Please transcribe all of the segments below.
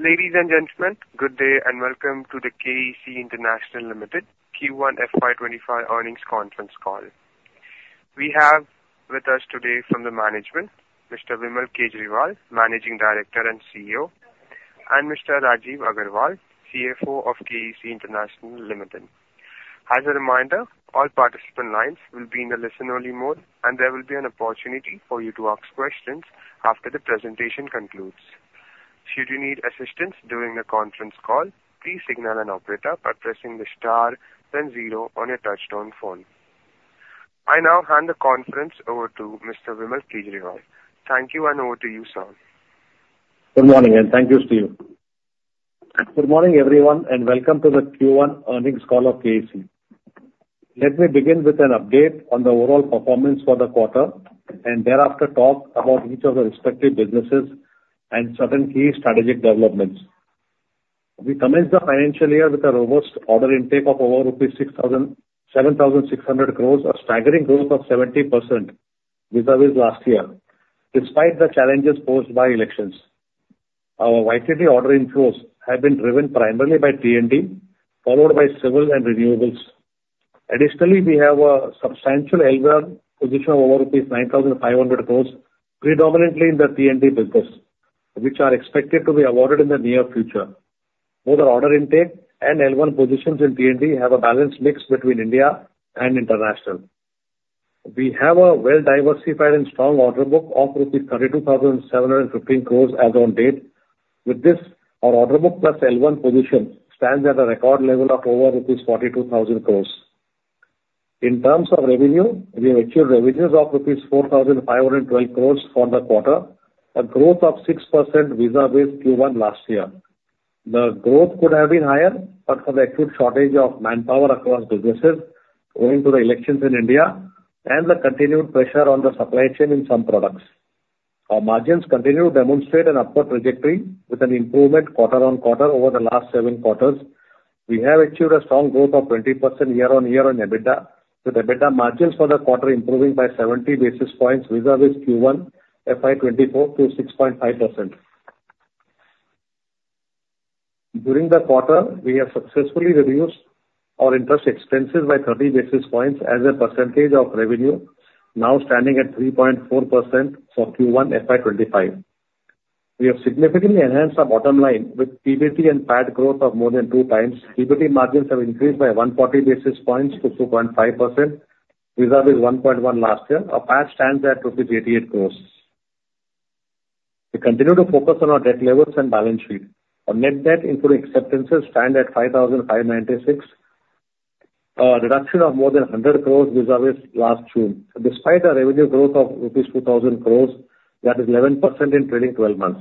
Ladies and gentlemen, good day, and welcome to the KEC International Limited Q1 FY25 earnings conference call. We have with us today from the management, Mr. Vimal Kejriwal, Managing Director and CEO, and Mr. Rajeev Aggarwal, CFO of KEC International Limited. As a reminder, all participant lines will be in a listen-only mode, and there will be an opportunity for you to ask questions after the presentation concludes. Should you need assistance during the conference call, please signal an operator by pressing the star then zero on your touchtone phone. I now hand the conference over to Mr. Vimal Kejriwal. Thank you, and over to you, sir. Good morning, and thank you, Steve. Good morning, everyone, and welcome to the Q1 earnings call of KEC. Let me begin with an update on the overall performance for the quarter and thereafter talk about each of the respective businesses and certain key strategic developments. We commenced the financial year with a robust order intake of over 7,600 crore, a staggering growth of 70% vis-a-vis last year, despite the challenges posed by electioons. Our YTD order inflows have been driven primarily by T&D, followed by civil and renewables. Additionally, we have a substantial L1 position of over rupees 9,500 crore, predominantly in the T&D business, which are expected to be awarded in the near future. Both our order intake and L1 positions in T&D have a balanced mix between India and international. We have a well-diversified and strong order book of rupees 32,715 crore as on date. With this, our order book plus L1 position stands at a record level of over 42,000 crore rupees. In terms of revenue, we have achieved revenues of 4,512 crore rupees for the quarter, a growth of 6% vis-à-vis Q1 last year. The growth could have been higher, but for the acute shortage of manpower across businesses owing to the elections in India and the continued pressure on the supply chain in some products. Our margins continue to demonstrate an upward trajectory with an improvement quarter-on-quarter over the last seven quarters. We have achieved a strong growth of 20% year-on-year on EBITDA, with EBITDA margins for the quarter improving by 70 basis points vis-à-vis Q1 FY 2024 to 6.5%. During the quarter, we have successfully reduced our interest expenses by 30 basis points as a percentage of revenue, now standing at 3.4% for Q1 FY 2025. We have significantly enhanced our bottom line with PBT and PAT growth of more than 2 times. PBT margins have increased by 140 basis points to 2.5%, vis-à-vis 1.1% last year. Our PAT stands at rupees 88 crores. We continue to focus on our debt levels and balance sheet. Our net debt including acceptances stands at 5,596 crores, a reduction of more than 100 crores vis-à-vis last June. Despite a revenue growth of rupees 2,000 crore, that is 11% in trailing twelve months.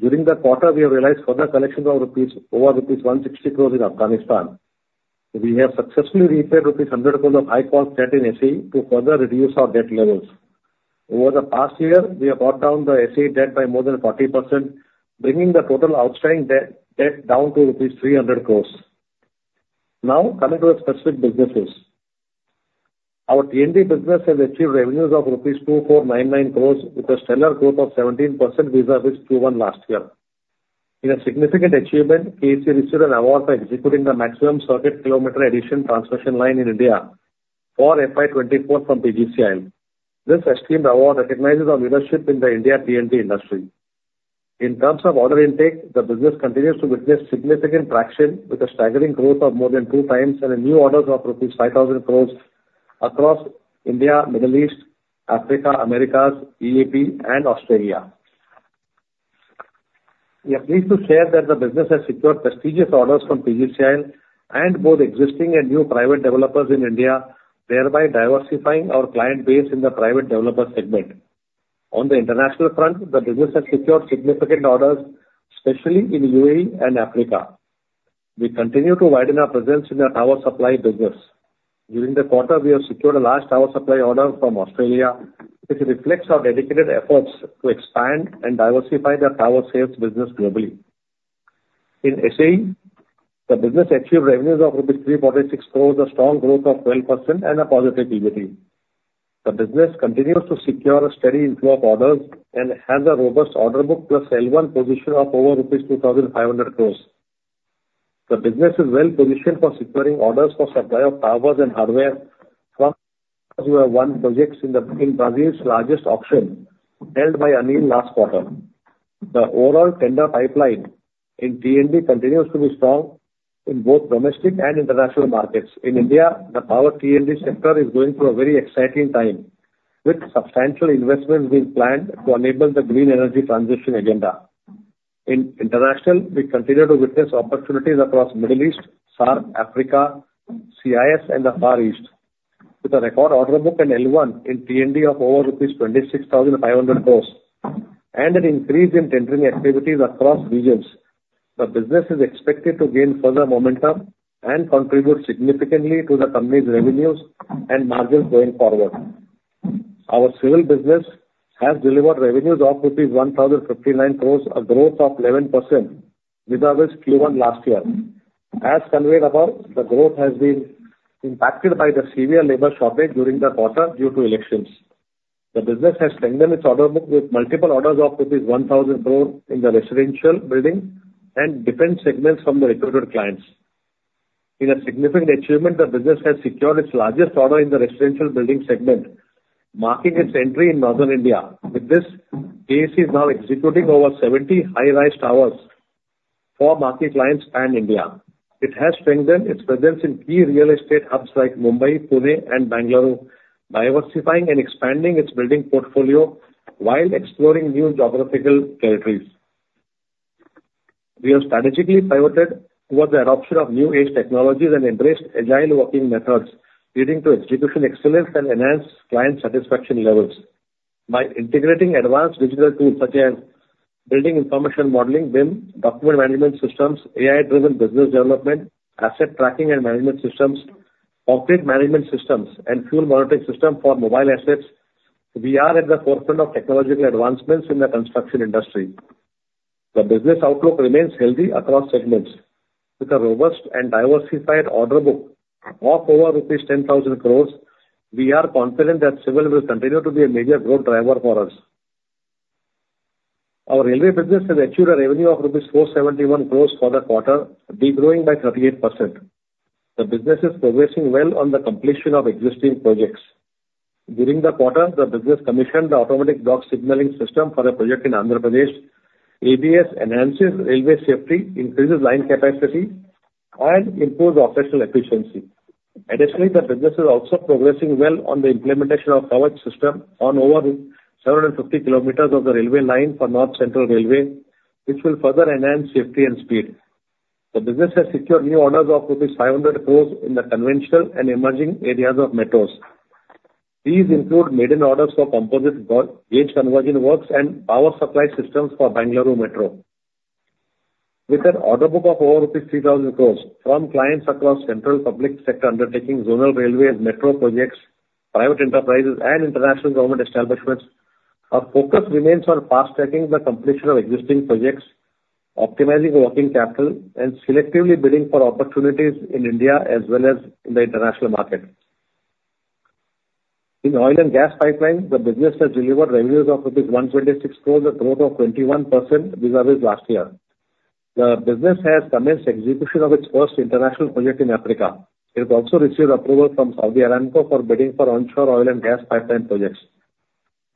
During the quarter, we have realized further collections of INR over 160 crore in Afghanistan. We have successfully repaid rupees 100 crore of high-cost debt in SAE to further reduce our debt levels. Over the past year, we have brought down the SAE debt by more than 40%, bringing the total outstanding debt, debt down to rupees 300 crore. Now, coming to the specific businesses. Our T&D business has achieved revenues of 2,499 crore rupees, with a stellar growth of 17% vis-a-vis Q1 last year. In a significant achievement, KEC received an award for executing the maximum circuit kilometer addition transmission line in India for FY 2024 from PGCIL. This esteemed award recognizes our leadership in the India T&D industry. In terms of order intake, the business continues to witness significant traction with a staggering growth of more than two times and new orders of rupees 5,000 crores across India, Middle East, Africa, Americas, EAP and Australia. We are pleased to share that the business has secured prestigious orders from PGCIL and both existing and new private developers in India, thereby diversifying our client base in the private developer segment. On the international front, the business has secured significant orders, especially in UAE and Africa. We continue to widen our presence in the tower supply business. During the quarter, we have secured a large tower supply order from Australia, which reflects our dedicated efforts to expand and diversify the tower sales business globally. In SAE, the business achieved revenues of 346 crores rupees, a strong growth of 12% and a positive PBT. The business continues to secure a steady inflow of orders and has a robust order book plus L1 position of over rupees 2,500 crore. The business is well positioned for securing orders for supply of towers and hardware from won projects in Brazil's largest auction held by ANEEL last quarter. The overall tender pipeline in T&D continues to be strong in both domestic and international markets. In India, the power T&D sector is going through a very exciting time, with substantial investments being planned to enable the green energy transition agenda. In international, we continue to witness opportunities across Middle East, Saudi Arabia, Africa, CIS, and the Far East. With a record order book and L1 in T&D of over rupees 26,500 crores and an increase in tendering activities across regions, the business is expected to gain further momentum and contribute significantly to the company's revenues and margins going forward. Our civil business has delivered revenues of rupees 1,059 crores, a growth of 11% vis-a-vis Q1 last year. As conveyed above, the growth has been impacted by the severe labor shortage during the quarter due to elections. The business has strengthened its order book with multiple orders of rupees 1,000 crores in the residential building and different segments from the recruited clients. In a significant achievement, the business has secured its largest order in the residential building segment, marking its entry in Northern India. With this, KEC is now executing over 70 high-rise towers for market clients pan India. It has strengthened its presence in key real estate hubs like Mumbai, Pune, and Bengaluru, diversifying and expanding its building portfolio while exploring new geographical territories. We have strategically pivoted towards the adoption of new age technologies and embraced agile working methods, leading to execution excellence and enhanced client satisfaction levels. By integrating advanced digital tools, such as building information modeling, BIM, document management systems, AI-driven business development, asset tracking and management systems, operate management systems, and fuel monitoring system for mobile assets, we are at the forefront of technological advancements in the construction industry. The business outlook remains healthy across segments. With a robust and diversified order book of over rupees 10,000 crore, we are confident that civil will continue to be a major growth driver for us. Our railway business has achieved a revenue of INR 471 crore for the quarter, de-growing by 38%. The business is progressing well on the completion of existing projects. During the quarter, the business commissioned the automatic block signaling system for a project in Andhra Pradesh. ABS enhances railway safety, increases line capacity, and improves operational efficiency. Additionally, the business is also progressing well on the implementation of power system on over 750 km of the railway line for North Central Railway, which will further enhance safety and speed. The business has secured new orders of 500 crore in the conventional and emerging areas of metros. These include maiden orders for composite gauge conversion works and power supply systems for Bengaluru Metro. With an order book of over rupees 3,000 crore from clients across central public sector undertaking zonal railway and metro projects, private enterprises, and international government establishments, our focus remains on fast-tracking the completion of existing projects, optimizing working capital, and selectively bidding for opportunities in India as well as in the international market. In oil and gas pipelines, the business has delivered revenues of 126 crore, a growth of 21% vis-a-vis last year. The business has commenced execution of its first international project in Africa. It has also received approval from Saudi Aramco for bidding for onshore oil and gas pipeline projects.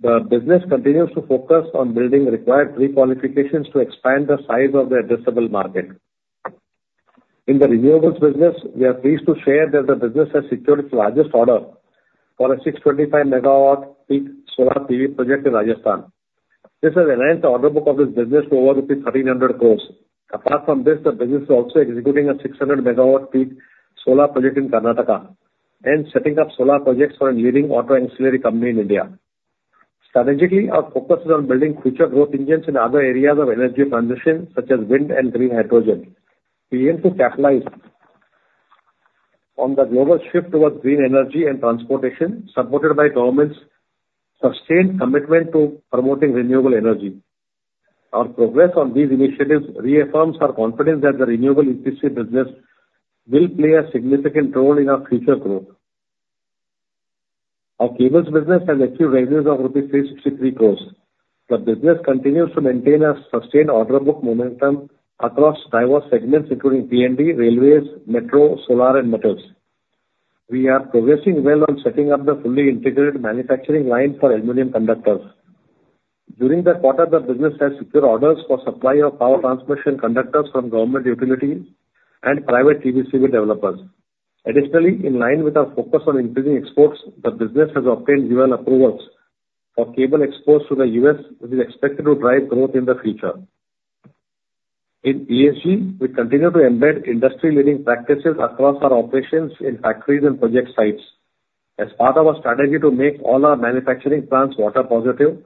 The business continues to focus on building required pre-qualifications to expand the size of the addressable market. In the renewables business, we are pleased to share that the business has secured its largest order for a 625 megawatt peak solar PV project in Rajasthan. This has enhanced the order book of this business to over rupees 1,300 crores. Apart from this, the business is also executing a 600 megawatt peak solar project in Karnataka and setting up solar projects for a leading auto ancillary company in India. Strategically, our focus is on building future growth engines in other areas of energy transition, such as wind and green hydrogen. We aim to capitalize on the global shift towards green energy and transportation, supported by government's sustained commitment to promoting renewable energy. Our progress on these initiatives reaffirms our confidence that the renewable EPC business will play a significant role in our future growth. Our cables business has achieved revenues of INR 363 crores. The business continues to maintain a sustained order book momentum across diverse segments, including T&D, railways, metro, solar, and metros. We are progressing well on setting up the fully integrated manufacturing line for aluminum conductors. During the quarter, the business has secured orders for supply of power transmission conductors from government utility and private TBCB developers. Additionally, in line with our focus on increasing exports, the business has obtained US approvals for cable exports to the US, which is expected to drive growth in the future. In ESG, we continue to embed industry-leading practices across our operations in factories and project sites. As part of our strategy to make all our manufacturing plants water positive,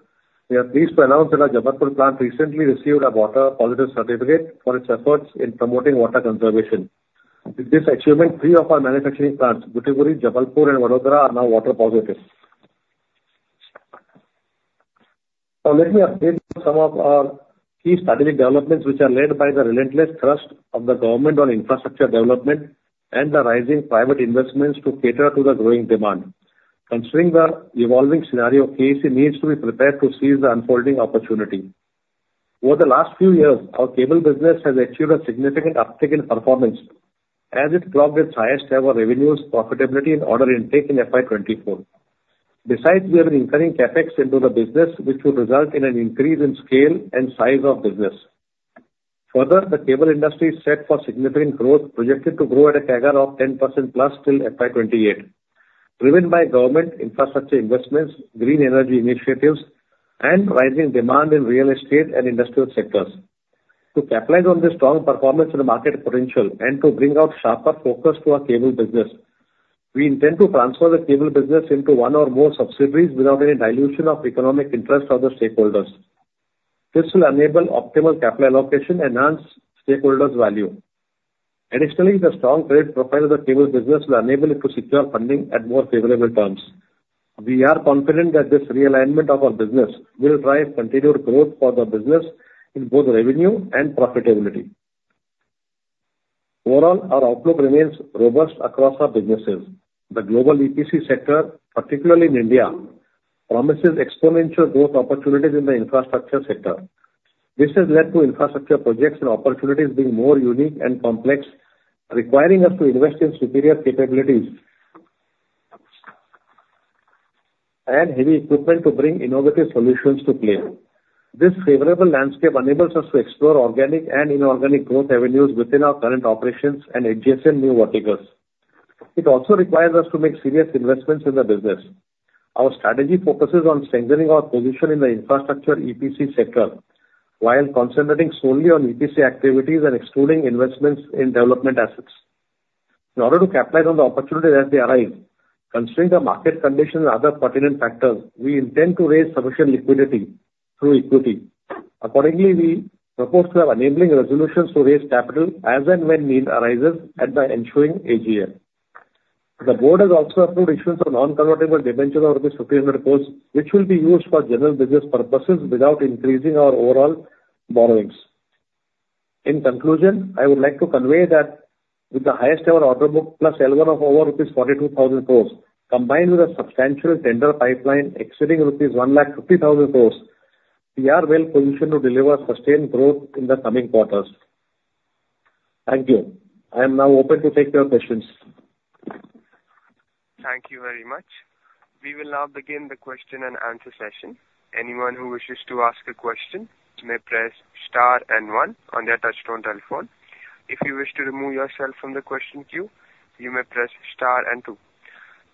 we are pleased to announce that our Jabalpur plant recently received a water positive certificate for its efforts in promoting water conservation. With this achievement, three of our manufacturing plants, Gutikoni, Jabalpur, and Vadodara, are now water positive. Now, let me update you on some of our key strategic developments, which are led by the relentless thrust of the government on infrastructure development and the rising private investments to cater to the growing demand. Considering the evolving scenario, KEC needs to be prepared to seize the unfolding opportunity. Over the last few years, our cable business has achieved a significant uptick in performance as it clocked its highest ever revenues, profitability, and order intake in FY 2024. Besides, we are incurring CapEx into the business, which will result in an increase in scale and size of business. Further, the cable industry is set for significant growth, projected to grow at a CAGR of 10%+ till FY 2028, driven by government infrastructure investments, green energy initiatives, and rising demand in real estate and industrial sectors. To capitalize on this strong performance and market potential and to bring out sharper focus to our cable business, we intend to transfer the cable business into one or more subsidiaries without any dilution of economic interest of the stakeholders. This will enable optimal capital allocation, enhance stakeholders' value. Additionally, the strong credit profile of the cable business will enable it to secure funding at more favorable terms. We are confident that this realignment of our business will drive continued growth for the business in both revenue and profitability.... Overall, our outlook remains robust across our businesses. The global EPC sector, particularly in India, promises exponential growth opportunities in the infrastructure sector. This has led to infrastructure projects and opportunities being more unique and complex, requiring us to invest in superior capabilities and heavy equipment to bring innovative solutions to play. This favorable landscape enables us to explore organic and inorganic growth avenues within our current operations and adjacent new verticals. It also requires us to make serious investments in the business. Our strategy focuses on strengthening our position in the infrastructure EPC sector, while concentrating solely on EPC activities and excluding investments in development assets. In order to capitalize on the opportunities as they arise, considering the market conditions and other pertinent factors, we intend to raise sufficient liquidity through equity. Accordingly, we propose to have enabling resolutions to raise capital as and when need arises at the ensuing AGM. The board has also approved issuance of non-convertible debentures of 500 crore, which will be used for general business purposes without increasing our overall borrowings. In conclusion, I would like to convey that with the highest ever order book plus L1 of over rupees 42,000 crore, combined with a substantial tender pipeline exceeding rupees 150,000 crore, we are well positioned to deliver sustained growth in the coming quarters. Thank you. I am now open to take your questions. Thank you very much. We will now begin the question and answer session. Anyone who wishes to ask a question may press star and one on their touchtone telephone. If you wish to remove yourself from the question queue, you may press star and two.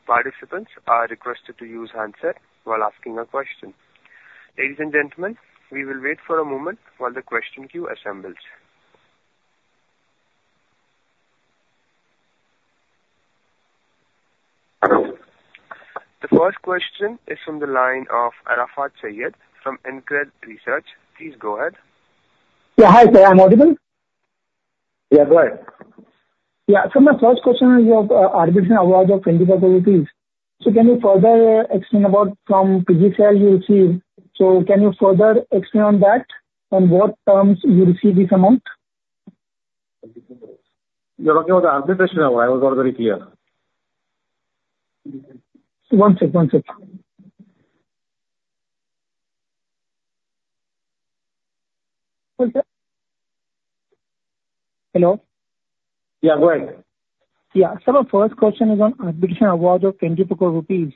Participants are requested to use handset while asking a question. Ladies and gentlemen, we will wait for a moment while the question queue assembles. The first question is from the line of Arafat Saiyed from InCred Research. Please go ahead. Yeah. Hi, sir. Am I audible? Yeah, go ahead. Yeah. So my first question is your arbitration award of 20 crore. So can you further explain about from PGCIL you receive, so can you further explain on that, on what terms you receive this amount? You're talking about the arbitration award? I was not very clear. One sec, one sec. Hello? Yeah, go ahead. Yeah. So my first question is on arbitration award of 20 crore rupees.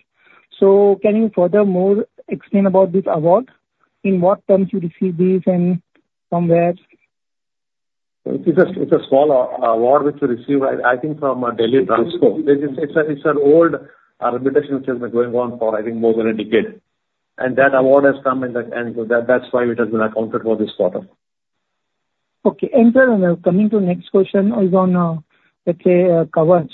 So can you furthermore explain about this award, in what terms you receive this and from where? It's a small award which we received, I think, from Delhi Transport. It's an old arbitration which has been going on for, I think, more than a decade, and that award has come in the end, so that's why it has been accounted for this quarter. Okay, and sir, now coming to next question is on, let's say, coverage.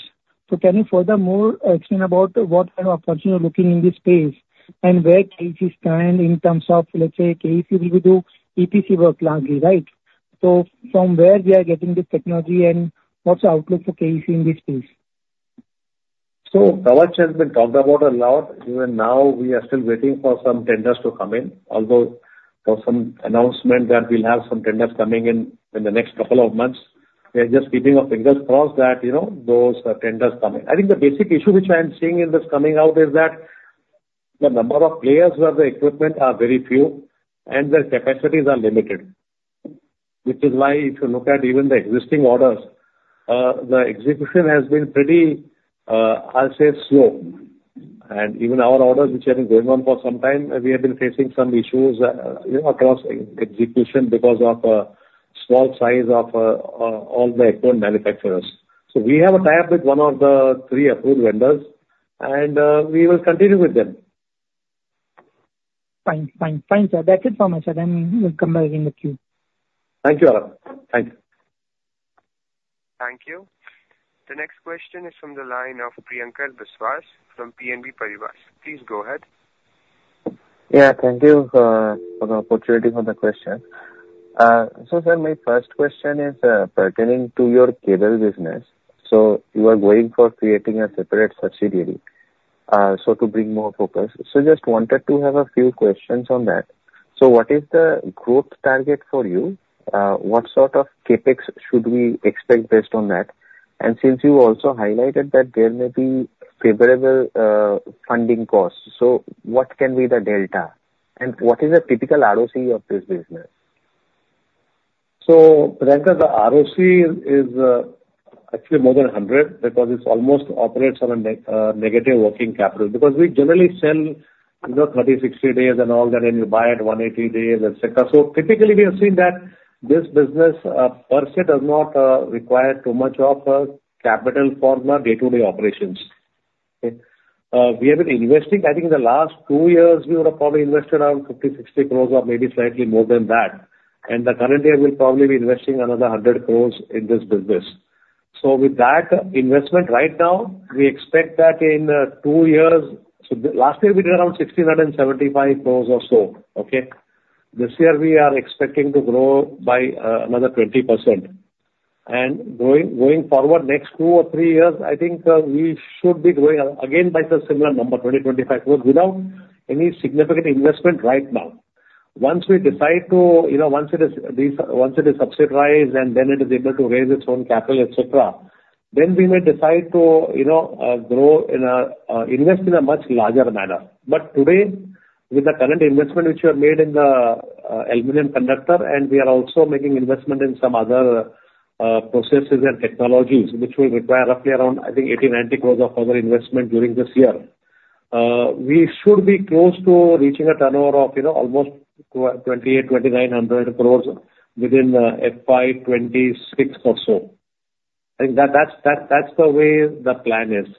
So can you furthermore explain about what kind of opportunities you're looking in this space, and where KEC stand in terms of, let's say, KEC will do EPC work largely, right? So from where we are Setting this technology, and what's the outlook for KEC in this space? So coverage has been talked about a lot. Even now, we are still waiting for some tenders to come in, although there was some announcement that we'll have some tenders coming in, in the next couple of months. We are just keeping our fingers crossed that, you know, those tenders come in. I think the basic issue which I'm seeing in this coming out is that the number of players who have the equipment are very few, and their capacities are limited. Which is why if you look at even the existing orders, the execution has been pretty, I'll say slow. And even our orders, which have been going on for some time, we have been facing some issues, you know, across execution because of, small size of, all the equipment manufacturers. So we have a tie-up with one of the three approved vendors, and we will continue with them. Fine. Fine. Fine, sir. That's it from my side, and we'll come back in the queue. Thank you, Arafat. Thanks. Thank you. The next question is from the line of Priyankar Biswas from PNB Paribas. Please go ahead. Yeah, thank you for the opportunity for the question. So sir, my first question is pertaining to your cable business. So you are going for creating a separate subsidiary so to bring more focus. So just wanted to have a few questions on that. So what is the growth target for you? What sort of CapEx should we expect based on that? And since you also highlighted that there may be favorable funding costs, so what can be the delta, and what is the typical ROC of this business? So, Priyanka, the ROC is actually more than 100, because it's almost operates on a negative working capital. Because we generally sell under 30, 60 days and all that, and you buy at 180 days, et cetera. So typically, we have seen that this business per se does not require too much of a capital for the day-to-day operations. Okay? We have been investing. I think in the last two years, we would have probably invested around 50-60 crore or maybe slightly more than that, and the current year, we'll probably be investing another 100 crore in this business. So with that investment, right now, we expect that in two years. So the last year we did around 1,675 crore or so, okay? This year we are expecting to grow by another 20%. Going forward, next two or three years, I think, we should be growing again by the similar number, 20-25 crore, without any significant investment right now. Once we decide to, you know, once it is these, once it is subsidized, and then it is able to raise its own capital, et cetera, then we may decide to, you know, grow in a, invest in a much larger manner. But today, with the current investment which we have made in the aluminum conductor, and we are also making investment in some other processes and technologies, which will require roughly around, I think, 80-90 crore of further investment during this year. We should be close to reaching a turnover of, you know, almost 2,800-2,900 crore within FY 2026 or so. I think that's the way the plan is.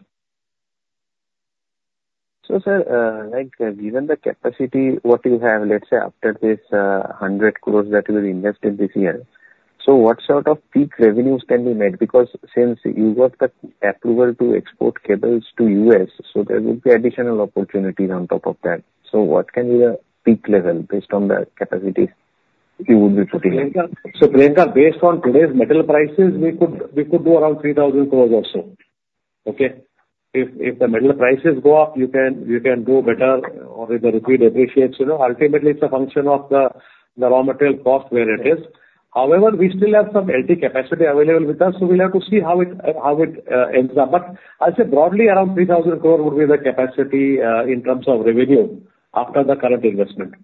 So, sir, like, given the capacity what you have, let's say after this 100 crore that you will invest in this year, so what sort of peak revenues can be made? Because since you got the approval to export cables to U.S., so there will be additional opportunities on top of that. So what can be the peak level based on the capacities you would be putting in? So, Priyank, based on today's metal prices, we could, we could do around 3,000 crore or so. Okay? If, if the metal prices go up, you can, you can do better or if the rupee depreciates. You know, ultimately, it's a function of the, the raw material cost where it is. However, we still have some LT capacity available with us, so we'll have to see how it, how it, ends up. But I'll say broadly, around 3,000 crore would be the capacity, in terms of revenue after the current investment.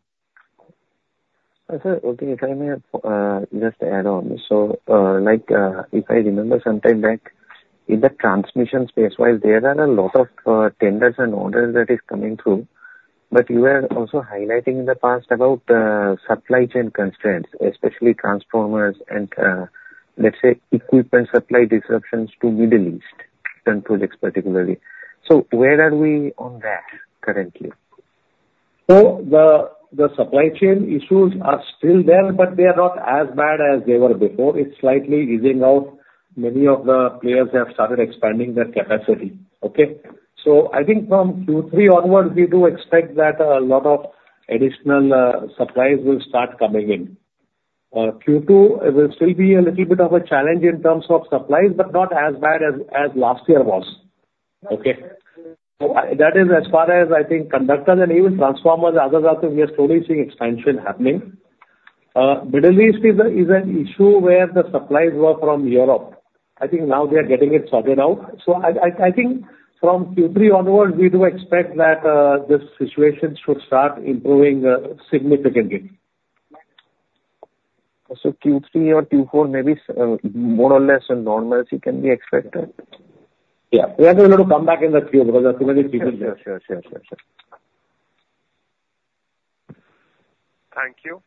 Sir, okay. If I may, just add on. So, like, if I remember sometime back, in the transmission space, while there are a lot of tenders and orders that is coming through, but you were also highlighting in the past about supply chain constraints, especially transformers and, let's say, equipment supply disruptions to Middle East and projects particularly. So where are we on that currently? So the supply chain issues are still there, but they are not as bad as they were before. It's slightly easing out. Many of the players have started expanding their capacity. Okay? So I think from Q3 onwards, we do expect that a lot of additional supplies will start coming in. Q2, it will still be a little bit of a challenge in terms of supplies, but not as bad as last year was. Okay? So that is as far as I think conductors and even transformers, as a result of we are slowly seeing expansion happening. Middle East is an issue where the supplies were from Europe. I think now they are getting it sorted out. So I think from Q3 onwards, we do expect that this situation should start improving significantly. So Q3 or Q4, maybe, more or less a normalcy can be expected? Yeah. We have to come back in the Q because obviously it is Q4. Yes, yes, yes, yes, yes. Thank you.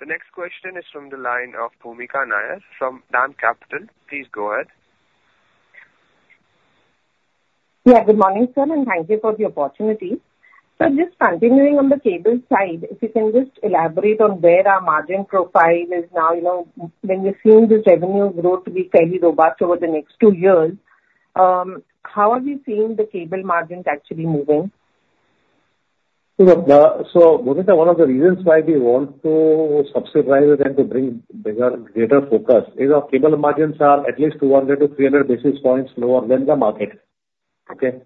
The next question is from the line of Bhoomika Nair from DAM Capital. Please go ahead. Yeah, good morning, sir, and thank you for the opportunity. So just continuing on the cable side, if you can just elaborate on where our margin profile is now, you know, when you're seeing this revenue growth to be fairly robust over the next two years, how are you seeing the cable margins actually moving? So, Bhoomika, one of the reasons why we want to subsidize and to bring bigger, greater focus is our cable margins are at least 200-300 basis points lower than the market. Okay?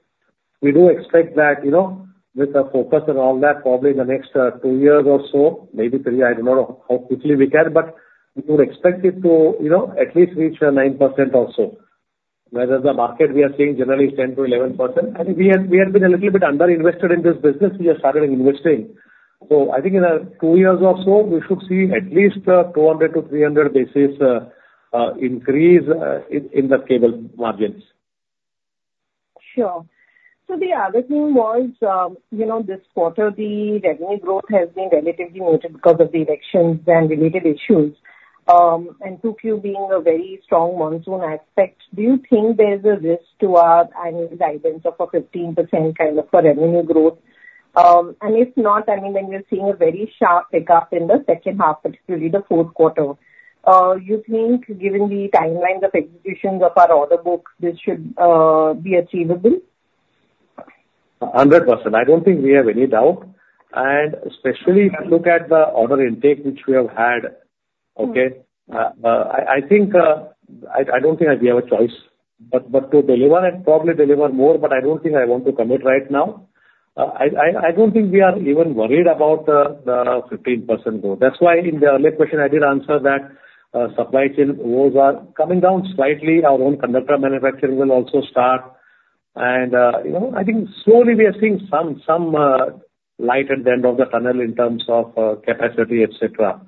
We do expect that, you know, with the focus and all that, probably in the next 2 years or so, maybe 3, I don't know how quickly we can, but we would expect it to, you know, at least reach 9% or so. Whereas the market, we are seeing generally 10%-11%. I think we have been a little bit underinvested in this business. We are starting investing. So I think in 2 years or so, we should see at least 200-300 basis points increase in the cable margins. Sure. So the other thing was, you know, this quarter, the revenue growth has been relatively muted because of the elections and related issues. And Q2 being a very strong monsoon aspect, do you think there's a risk to our annual guidance of a 15% kind of a revenue growth? And if not, I mean, when you're seeing a very sharp pickup in the second half, particularly the fourth quarter, you think given the timelines of executions of our order book, this should be achievable? 100%. I don't think we have any doubt. And especially if you look at the order intake, which we have had, okay- Mm. I think I don't think we have a choice. But to deliver and probably deliver more, but I don't think I want to commit right now. I don't think we are even worried about the 15% growth. That's why in the earlier question, I did answer that supply chain woes are coming down slightly. Our own conductor manufacturing will also start. And you know, I think slowly we are seeing some light at the end of the tunnel in terms of capacity, et cetera.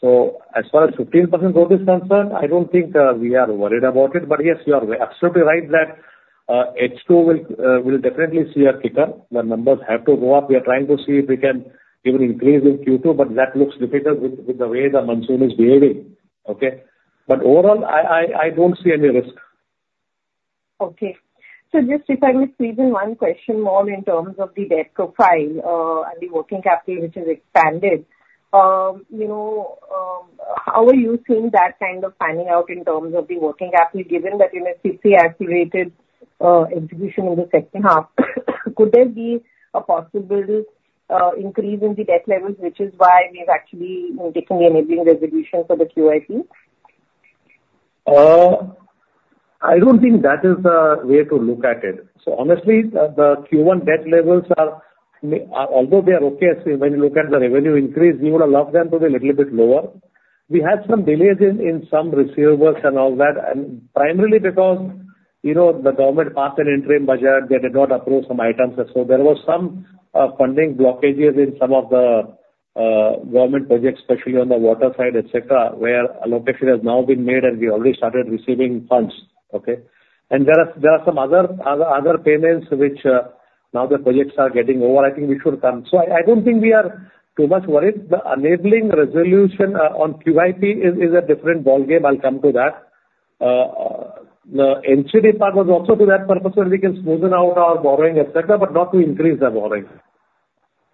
So as far as 15% growth is concerned, I don't think we are worried about it. But yes, you are absolutely right that H2 will definitely see a pickup. The numbers have to go up. We are trying to see if we can even increase in Q2, but that looks difficult with the way the monsoon is behaving, okay? But overall, I don't see any risk. Okay. So just if I may squeeze in one question more in terms of the debt profile, and the working capital, which has expanded. You know, how are you seeing that kind of panning out in terms of the working capital, given that you may see accelerated execution in the second half? Could there be a possibility, increase in the debt levels, which is why we've actually taken the enabling resolution for the QIP? I don't think that is the way to look at it. So honestly, the Q1 debt levels are although they are okay, so when you look at the revenue increase, we would have loved them to be a little bit lower. We had some delays in some receivables and all that, and primarily because, you know, the government passed an interim budget, they did not approve some items. And so there was some funding blockages in some of the government projects, especially on the water side, et cetera, where allocation has now been made, and we already started receiving funds. Okay? And there are some other payments which now the projects are getting over, I think we should come. So I don't think we are too much worried. The enabling resolution on QIP is a different ballgame. I'll come to that. The NCD part was also to that purpose, so we can smoothen out our borrowing, et cetera, but not to increase our borrowing.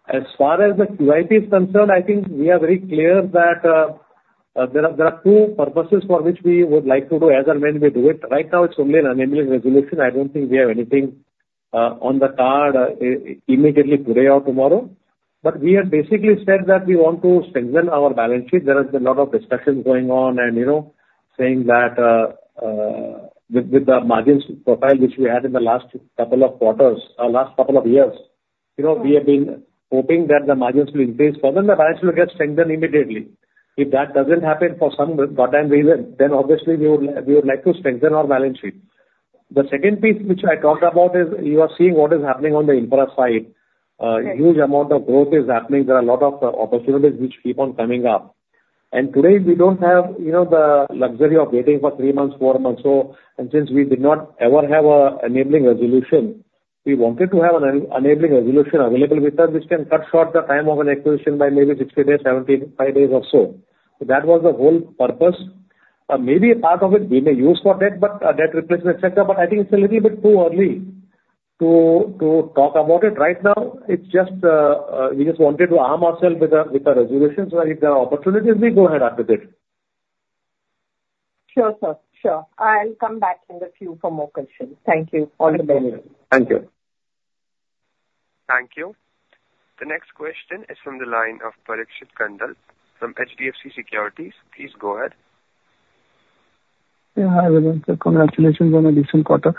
As far as the QIP is concerned, I think we are very clear that there are two purposes for which we would like to do as and when we do it. Right now, it's only an enabling resolution. I don't think we have anything on the card immediately today or tomorrow. But we have basically said that we want to strengthen our balance sheet. There has been a lot of discussions going on and, you know, saying that, with, with the margins profile, which we had in the last couple of quarters or last couple of years, you know, we have been hoping that the margins will increase, for then the balance will get strengthened immediately. If that doesn't happen for some goddamn reason, then obviously we would, we would like to strengthen our balance sheet. The second piece which I talked about is you are seeing what is happening on the infra side. Right. Huge amount of growth is happening. There are a lot of opportunities which keep on coming up. And today, we don't have, you know, the luxury of waiting for 3 months, 4 months or so. And since we did not ever have an enabling resolution, we wanted to have an enabling resolution available with us, which can cut short the time of an acquisition by maybe 60 days, 75 days or so. So that was the whole purpose. Maybe a part of it we may use for debt, but debt replacement, et cetera, but I think it's a little bit too early to talk about it. Right now, it's just we just wanted to arm ourselves with a resolution, so that if there are opportunities, we go ahead with it. Sure, sir. Sure. I'll come back in the queue for more questions. Thank you. All the best. Thank you. Thank you. The next question is from the line of Parikshit Kandpal from HDFC Securities. Please go ahead. Yeah, hi, everyone. So congratulations on a decent quarter.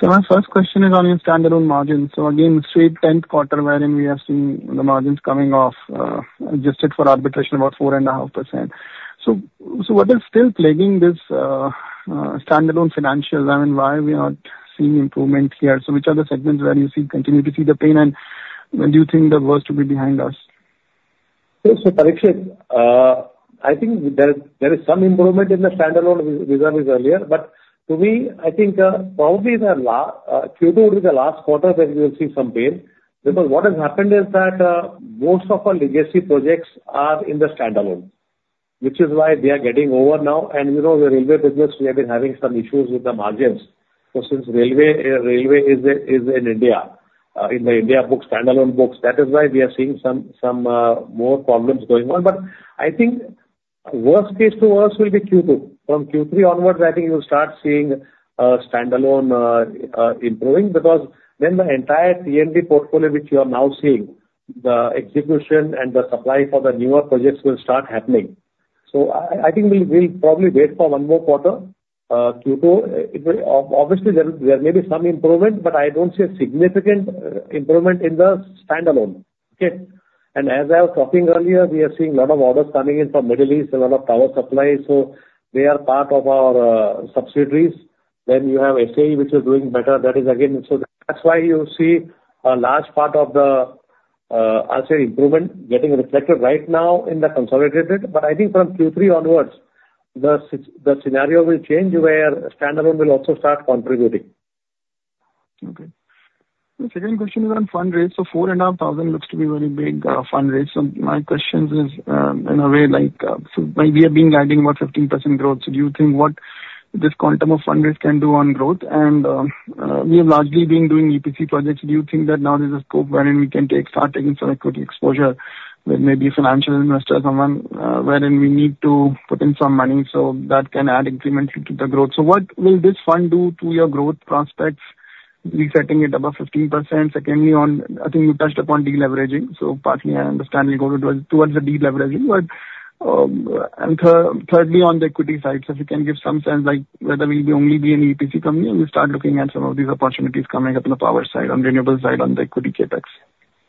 So my first question is on your standalone margins. So again, straight 10th quarter wherein we have seen the margins coming off, adjusted for arbitration, about 4.5%. So what is still plaguing this standalone financials? I mean, why we are not seeing improvement here? So which are the segments where you see continue to see the pain, and when do you think the worst will be behind us? Yes, so Parikshit, I think there, there is some improvement in the standalone versus earlier, but to me, I think, probably Q2 is the last quarter that we will see some pain. Because what has happened is that, most of our legacy projects are in the standalone, which is why they are getting over now. And, you know, the railway business, we have been having some issues with the margins. So since railway, railway is in, is in India, in the India books, standalone books, that is why we are seeing some, some, more problems going on. But I think worst case to us will be Q2. From Q3 onwards, I think you'll start seeing standalone improving, because then the entire PMP portfolio, which you are now seeing, the execution and the supply for the newer projects will start happening. So I think we'll probably wait for one more quarter, Q2. Obviously, there may be some improvement, but I don't see a significant improvement in the standalone. Okay? And as I was talking earlier, we are seeing a lot of orders coming in from Middle East, a lot of power supply, so they are part of our subsidiaries. Then you have SAE, which is doing better. That is again, so that's why you see a large part of the, I'll say, improvement getting reflected right now in the consolidated. But I think from Q3 onwards, the scenario will change, where standalone will also start contributing. Okay. The second question is on fundraise. So 4,500 looks to be very big fundraise. So my question is, in a way, like, so like we have been adding about 15% growth, so do you think what this quantum of fundraise can do on growth? And we have largely been doing EPC projects. Do you think that now there's a scope wherein we can take, start taking some equity exposure with maybe financial investors, someone, wherein we need to put in some money so that can add incrementally to the growth? So what will this fund do to your growth prospects, resetting it above 15%? Secondly, on... I think you touched upon deleveraging, so partly I understand we go to towards, towards the deleveraging. But and thirdly, on the equity side, so if you can give some sense like whether we'll only be an EPC company, or we start looking at some of these opportunities coming up in the power side, on renewable side, on the equity CapEx?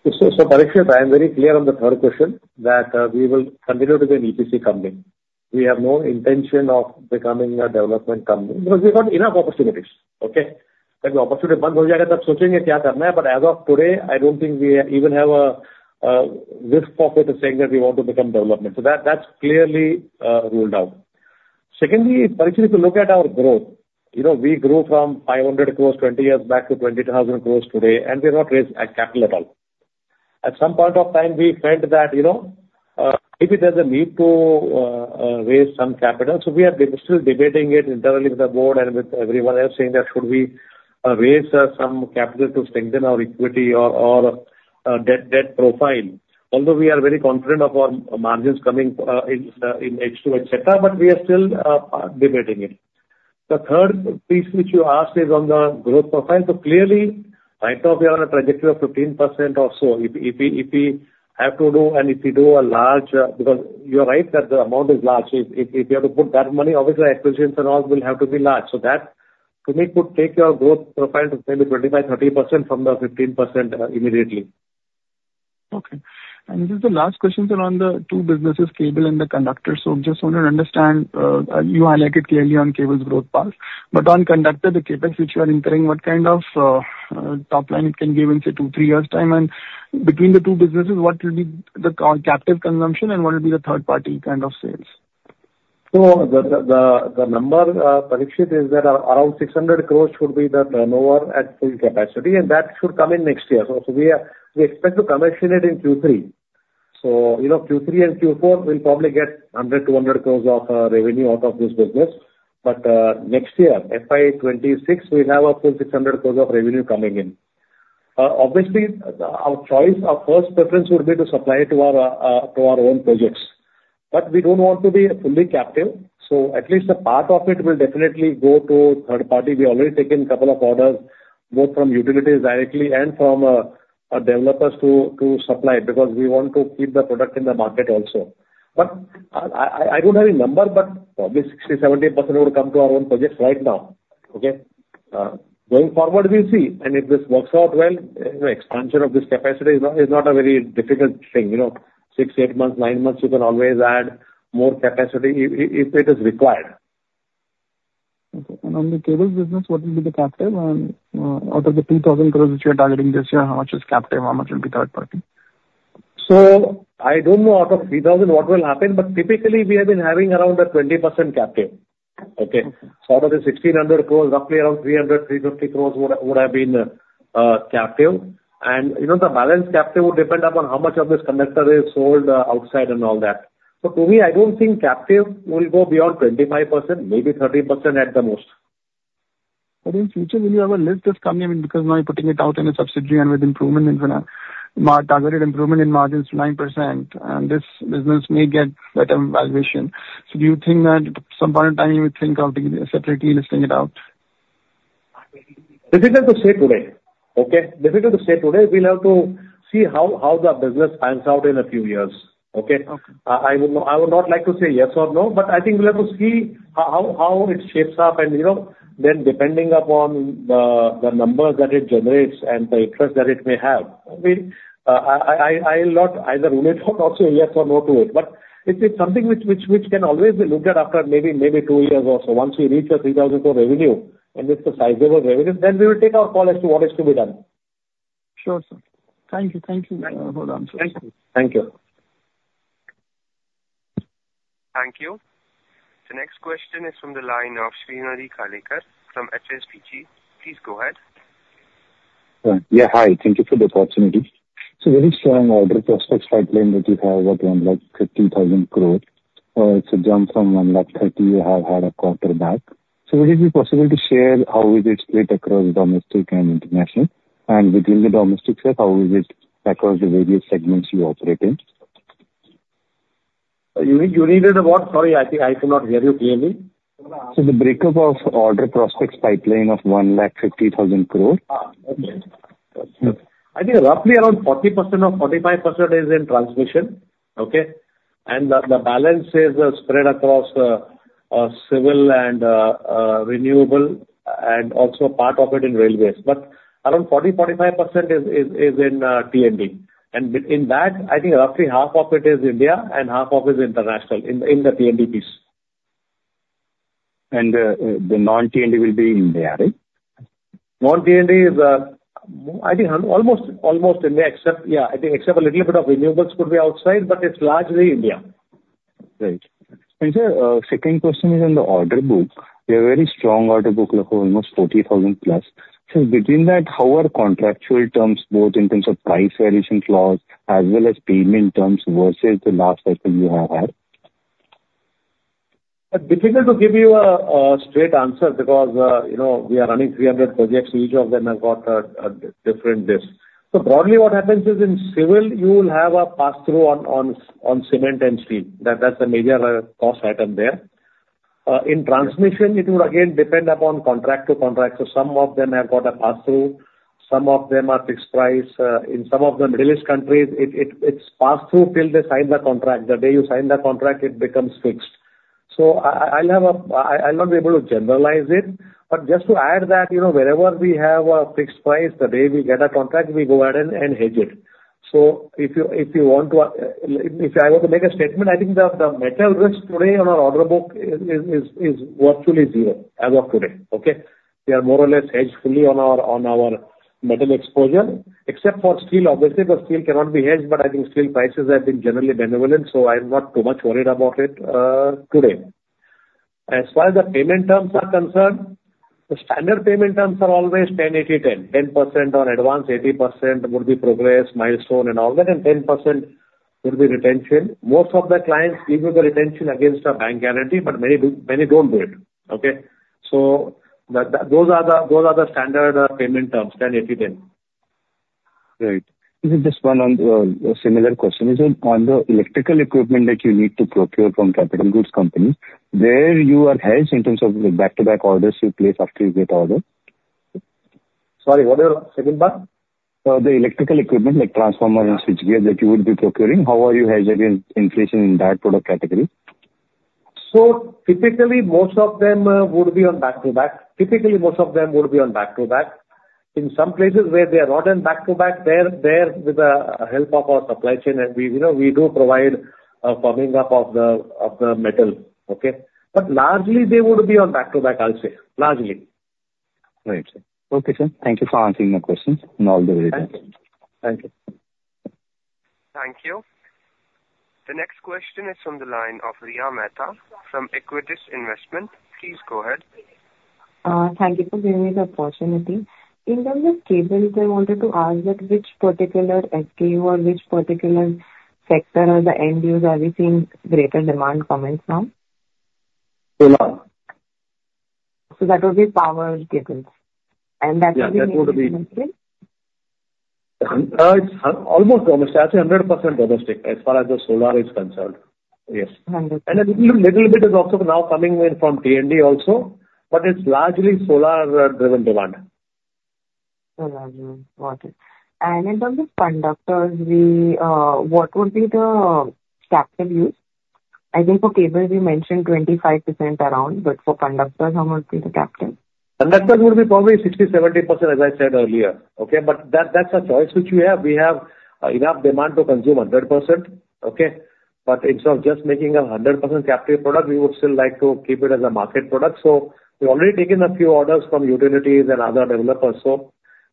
So, so Parikshit, I am very clear on the third question, that we will continue to be an EPC company. We have no intention of becoming a development company, because we've got enough opportunities, okay? But as of today, I don't think we even have a risk of it, of saying that we want to become development. So that's clearly ruled out. Secondly, Parikshit, if you look at our growth, you know, we grew from 500 crore 20 years back to 20,000 crore today, and we have not raised a capital at all. At some point of time, we felt that, you know, maybe there's a need to raise some capital. So we are still debating it internally with the board and with everyone else, saying that should we raise some capital to strengthen our equity or debt profile? Although we are very confident of our margins coming in in H2, et cetera, but we are still debating it. The third piece which you asked is on the growth profile. So clearly right now, we are on a trajectory of 15% or so. If we have to do, and if we do a large, because you are right, that the amount is large. So if you have to put that money, obviously, acquisitions and all will have to be large. So that, to me, could take your growth profile to maybe 25-30% from the 15% immediately. Okay. This is the last question around the two businesses, cable and the conductors. So just want to understand, you highlighted clearly on cable's growth path, but on conductor, the CapEx which you are incurring, what kind of top line it can give in, say, two, three years' time? And between the two businesses, what will be the captive consumption and what will be the third-party kind of sales? So the number, Parikshit, is that around 600 crore should be the turnover at full capacity, and that should come in next year. So we expect to commission it in Q3. So, you know, Q3 and Q4, we'll probably get 100 crore-200 crore of revenue out of this business. But next year, FY 2026, we have a full 600 crore of revenue coming in. Obviously, our choice, our first preference would be to supply it to our own projects. But we don't want to be fully captive, so at least a part of it will definitely go to third party. We've already taken couple of orders, both from utilities directly and from developers to supply, because we want to keep the product in the market also. But I don't have a number, but probably 60%-70% would come to our own projects right now, okay? Going forward, we'll see, and if this works out well, you know, expansion of this capacity is not, is not a very difficult thing. You know, 6-8 months, 9 months, you can always add more capacity if it is required. Okay. On the cables business, what will be the captive and out of the 3,000 crore which you are targeting this year, how much is captive, how much will be third party? I don't know out of 3,000 what will happen, but typically we have been having around a 20% captive, okay? Okay. Out of the 1,600 crore, roughly around 300-350 crore would have been captive. You know, the balance captive would depend upon how much of this conductor is sold outside and all that. To me, I don't think captive will go beyond 25%, maybe 30% at the most. In future, will you ever list this company? Because now you're putting it out in a subsidiary and with targeted improvement in margins to 9%, and this business may get better valuation. Do you think that at some point in time you would think of separately listing it out? Difficult to say today, okay? Difficult to say today. We'll have to see how, how the business pans out in a few years, okay? Okay. I would not, I would not like to say yes or no, but I think we'll have to see how it shapes up. You know, then depending upon the numbers that it generates and the interest that it may have, I mean, I will not either rule it out or say yes or no to it. But it's something which can always be looked at after maybe two years or so. Once we reach the 3,000 crore revenue, and it's a sizable revenue, then we will take our call as to what is to be done. Sure, Sir. Thank you. Thank you for your answer. Thank you. Thank you. Thank you. The next question is from the line of Shrinidhi Karlekar from HSBC. Please go ahead. Yeah, hi. Thank you for the opportunity. Very strong order prospects pipeline that you have, around 150,000 crore. It's a jump from 130,000 crore you have had a quarter back. Would it be possible to share how is it split across domestic and international? And between the domestic side, how is it across the various segments you operate in? You read it what? Sorry, I cannot hear you clearly. The breakup of order prospects pipeline of 150,000 crore. Okay. I think roughly around 40% or 45% is in transmission, okay? And the balance is spread across civil and renewable, and also part of it in railways. But around 40, 45% is in T&D. And in that, I think roughly half of it is India and half of it is international, in the T&D piece. The non-T&D will be India, right? Non-T&D is, I think almost, almost India, except, yeah, I think except a little bit of renewables could be outside, but it's largely India. Right. And sir, second question is on the order book. You have a very strong order book of almost 40,000 plus. So between that, how are contractual terms, both in terms of price variation clause as well as payment terms versus the last cycle you have had? Difficult to give you a straight answer because, you know, we are running 300 projects. Each of them have got a different this. So broadly, what happens is in civil, you will have a pass-through on cement and steel. That's a major cost item there. In transmission- Yeah. It would again depend upon contract to contract. So some of them have got a pass-through, some of them are fixed price. In some of the Middle East countries, it, it's pass-through till they sign the contract. The day you sign the contract, it becomes fixed. So I'll have a... I'll not be able to generalize it. But just to add that, you know, wherever we have a fixed price, the day we get a contract, we go ahead and hedge it. So if you want to, if I were to make a statement, I think the metal risk today on our order book is virtually zero as of today, okay? We are more or less hedged fully on our metal exposure, except for steel. Obviously, the steel cannot be hedged, but I think steel prices have been generally benevolent, so I'm not too much worried about it today. As far as the payment terms are concerned, the standard payment terms are always 10, 80, 10. 10% on advance, 80% would be progress, milestone and all that, and 10% will be retention. Most of the clients give you the retention against a bank guarantee, but many do, many don't do it, okay? So those are the standard payment terms, 10, 80, 10.... Right. Just one on, a similar question. Is it on the electrical equipment that you need to procure from capital goods company, where you are hedged in terms of the back-to-back orders you place after you get order? Sorry, what was the second part? The electrical equipment, like transformer and switchgear, that you would be procuring, how are you hedged against inflation in that product category? So typically, most of them would be on back-to-back. Typically, most of them would be on back-to-back. In some places where they are not on back-to-back, they're there with the help of our supply chain, and we, you know, we do provide a firming up of the, of the metal. Okay? But largely, they would be on back-to-back, I'll say. Largely. Right, sir. Okay, sir. Thank you for answering my questions and all the way. Thank you. Thank you. The next question is from the line of Riya Mehta from Equitas Investments. Please go ahead. Thank you for giving me the opportunity. In terms of cables, I wanted to ask that which particular SKU or which particular sector or the end users are we seeing greater demand coming from? Solar. So that would be power cables, and that would be- Yeah, that would be... it's almost domestic. I'll say 100% domestic, as far as the solar is concerned. Yes. Hundred percent. A little, little bit is also now coming in from T&D also, but it's largely solar driven demand. Solar driven. Got it. And in terms of conductors, we, what would be the captive use? I think for cable you mentioned 25% around, but for conductors, how much is the captive? Conductors would be probably 60%-70%, as I said earlier, okay? But that, that's a choice which we have. We have enough demand to consume 100%. Okay? But instead of just making a 100% captive product, we would still like to keep it as a market product. So we've already taken a few orders from utilities and other developers,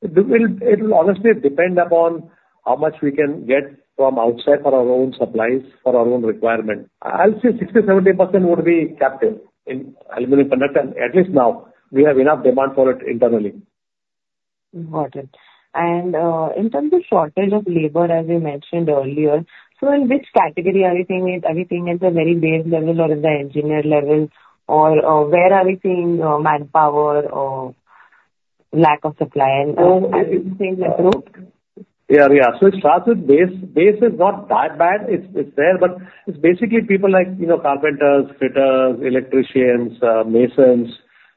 so it will, it'll honestly depend upon how much we can get from outside for our own supplies, for our own requirement. I'll say 60%-70% would be captive in aluminum conductor, at least now. We have enough demand for it internally. Got it. And, in terms of shortage of labor, as you mentioned earlier, so in which category are we seeing it? Are we seeing it in the very base level or in the engineer level, or, where are we seeing, manpower or lack of supply and- Um- Are we seeing the group? Yeah, yeah. So it starts with base. Base is not that bad. It's, it's there, but it's basically people like, you know, carpenters, fitters, electricians, masons,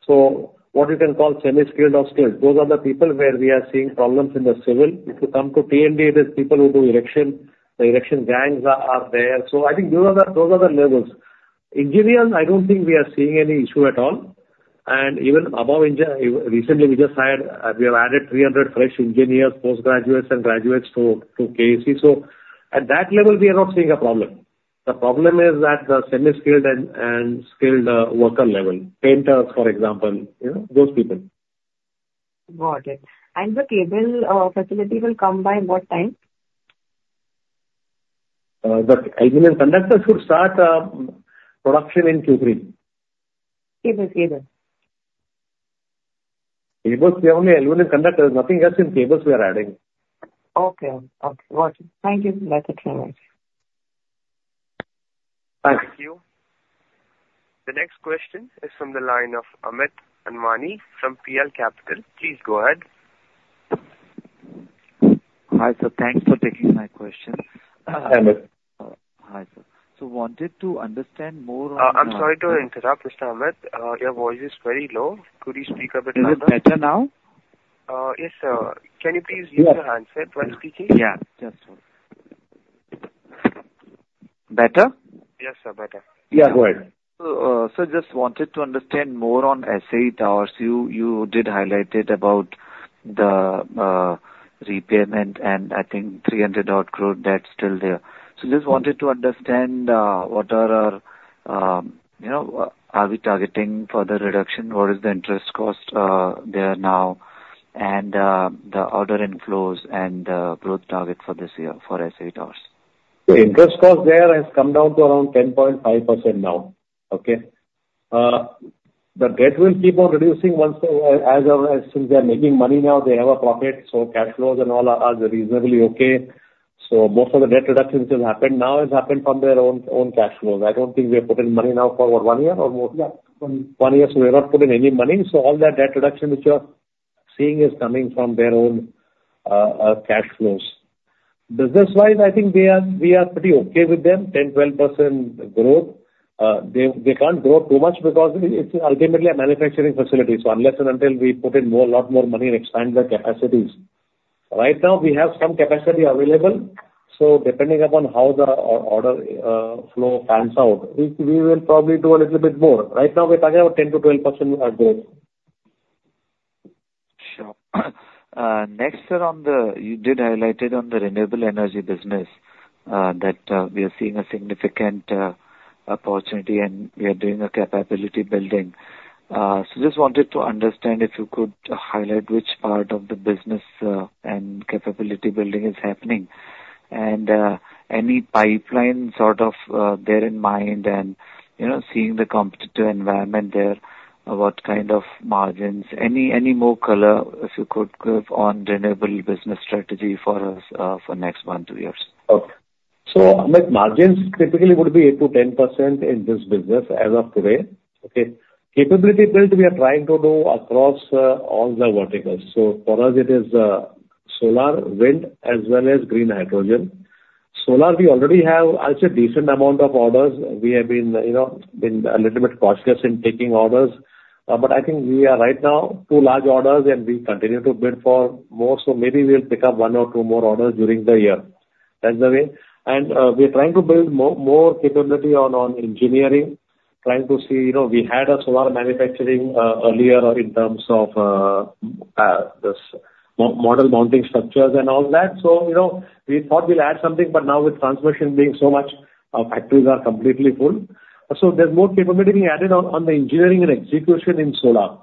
so what you can call semi-skilled or skilled. Those are the people where we are seeing problems in the civil. If you come to T&D, there's people who do erection. The erection gangs are there. So I think those are the levels. Engineers, I don't think we are seeing any issue at all. And even above engineers, recently, we just hired, we have added 300 fresh engineers, postgraduates and graduates to KEC. So at that level, we are not seeing a problem. The problem is at the semi-skilled and skilled worker level. Painters, for example, you know, those people. Got it. The cable facility will come by what time? The aluminum conductors would start production in Q3. Cables, cables. Cables, we have only aluminum conductors. Nothing else in cables we are adding. Okay. Okay, got you. Thank you. Thank you so much. Bye. Thank you. The next question is from the line of Amit Anwani from PL Capital. Please go ahead. Hi, sir. Thanks for taking my question. Hi, Amit. Hi, sir. So wanted to understand more on- I'm sorry to interrupt, Mr. Amit. Your voice is very low. Could you speak a bit louder? Is it better now? Yes, sir. Can you please- Yes. Use the handset when speaking? Yeah. Yes, sure. Better? Yes, sir. Better. Yeah, go ahead. So, so just wanted to understand more on SAE Towers. You did highlight it about the, repayment and I think 300-odd crore debt still there. So just wanted to understand, what are our... You know, are we targeting further reduction? What is the interest cost, there now, and, the order inflows and, growth target for this year for SAE Towers? The interest cost there has come down to around 10.5% now. Okay? The debt will keep on reducing once the, as, since they are making money now, they have a profit, so cash flows and all are reasonably okay. So most of the debt reductions which has happened now has happened from their own cash flows. I don't think we have put in money now for one year or more? Yeah, one year. One year, so we have not put in any money. So all that debt reduction which you are seeing is coming from their own cash flows. Business-wise, I think we are pretty okay with them, 10%-12% growth. They can't grow too much because it's ultimately a manufacturing facility, so unless and until we put in more, a lot more money and expand the capacities. Right now, we have some capacity available, so depending upon how the order flow pans out, we will probably do a little bit more. Right now, we're talking about 10%-12% growth. Sure. Next, sir, on the... You did highlight it on the renewable energy business, that we are seeing a significant opportunity, and we are doing a capability building. So just wanted to understand if you could highlight which part of the business and capability building is happening, and any pipeline sort of there in mind and, you know, seeing the competitive environment there, what kind of margins? Any, any more color, if you could give on renewable business strategy for us for next one, two years. Okay. So like margins typically would be 8%-10% in this business as of today, okay? Capability build, we are trying to do across all the verticals. So for us it is solar, wind, as well as green hydrogen. Solar, we already have, I'll say, decent amount of orders. We have been, you know, a little bit cautious in taking orders, but I think we are right now two large orders, and we continue to bid for more. So maybe we'll pick up one or two more orders during the year. That's the way. And we are trying to build more capability on engineering, trying to see. You know, we had a solar manufacturing earlier in terms of this model mounting structures and all that. So, you know, we thought we'll add something, but now with transmission being so much, our factories are completely full. So there's more capability being added on, on the engineering and execution in solar.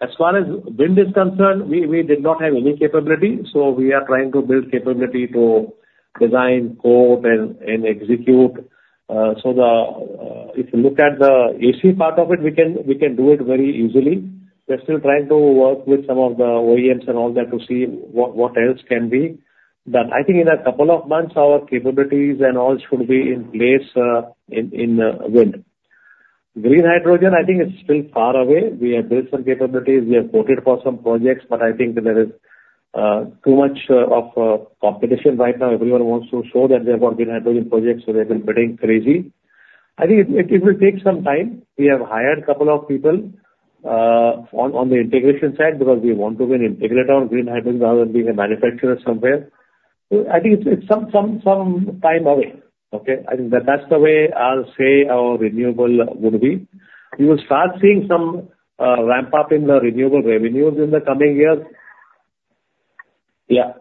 As far as wind is concerned, we did not have any capability, so we are trying to build capability to design, quote, and execute. So if you look at the AC part of it, we can do it very easily. We're still trying to work with some of the OEMs and all that to see what else can be done. I think in a couple of months, our capabilities and all should be in place in wind. Green hydrogen, I think is still far away. We have built some capabilities. We have quoted for some projects, but I think there is too much of competition right now. Everyone wants to show that they've got green hydrogen projects, so they've been bidding crazy. I think it will take some time. We have hired couple of people on the integration side, because we want to be an integrator on green hydrogen rather than being a manufacturer somewhere. So I think it's some time away, okay? I think that's the way I'll say our renewable would be. You will start seeing some ramp up in the renewable revenues in the coming years. Yeah.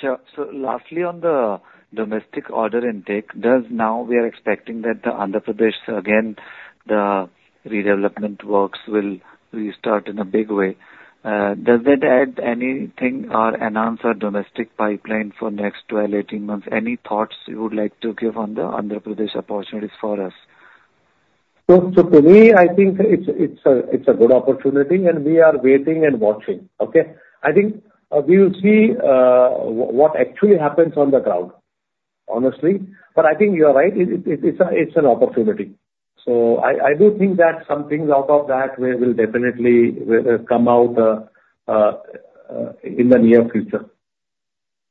Sure. So lastly, on the domestic order intake, does now we are expecting that the Andhra Pradesh again, the redevelopment works will restart in a big way. Does that add anything or enhance our domestic pipeline for next 12, 18 months? Any thoughts you would like to give on the Andhra Pradesh opportunities for us? So, so for me, I think it's, it's a, it's a good opportunity, and we are waiting and watching. Okay? I think, we will see, what actually happens on the ground, honestly. But I think you are right. It, it, it's a, it's an opportunity. So I, I do think that some things out of that way will definitely, come out, in the near future.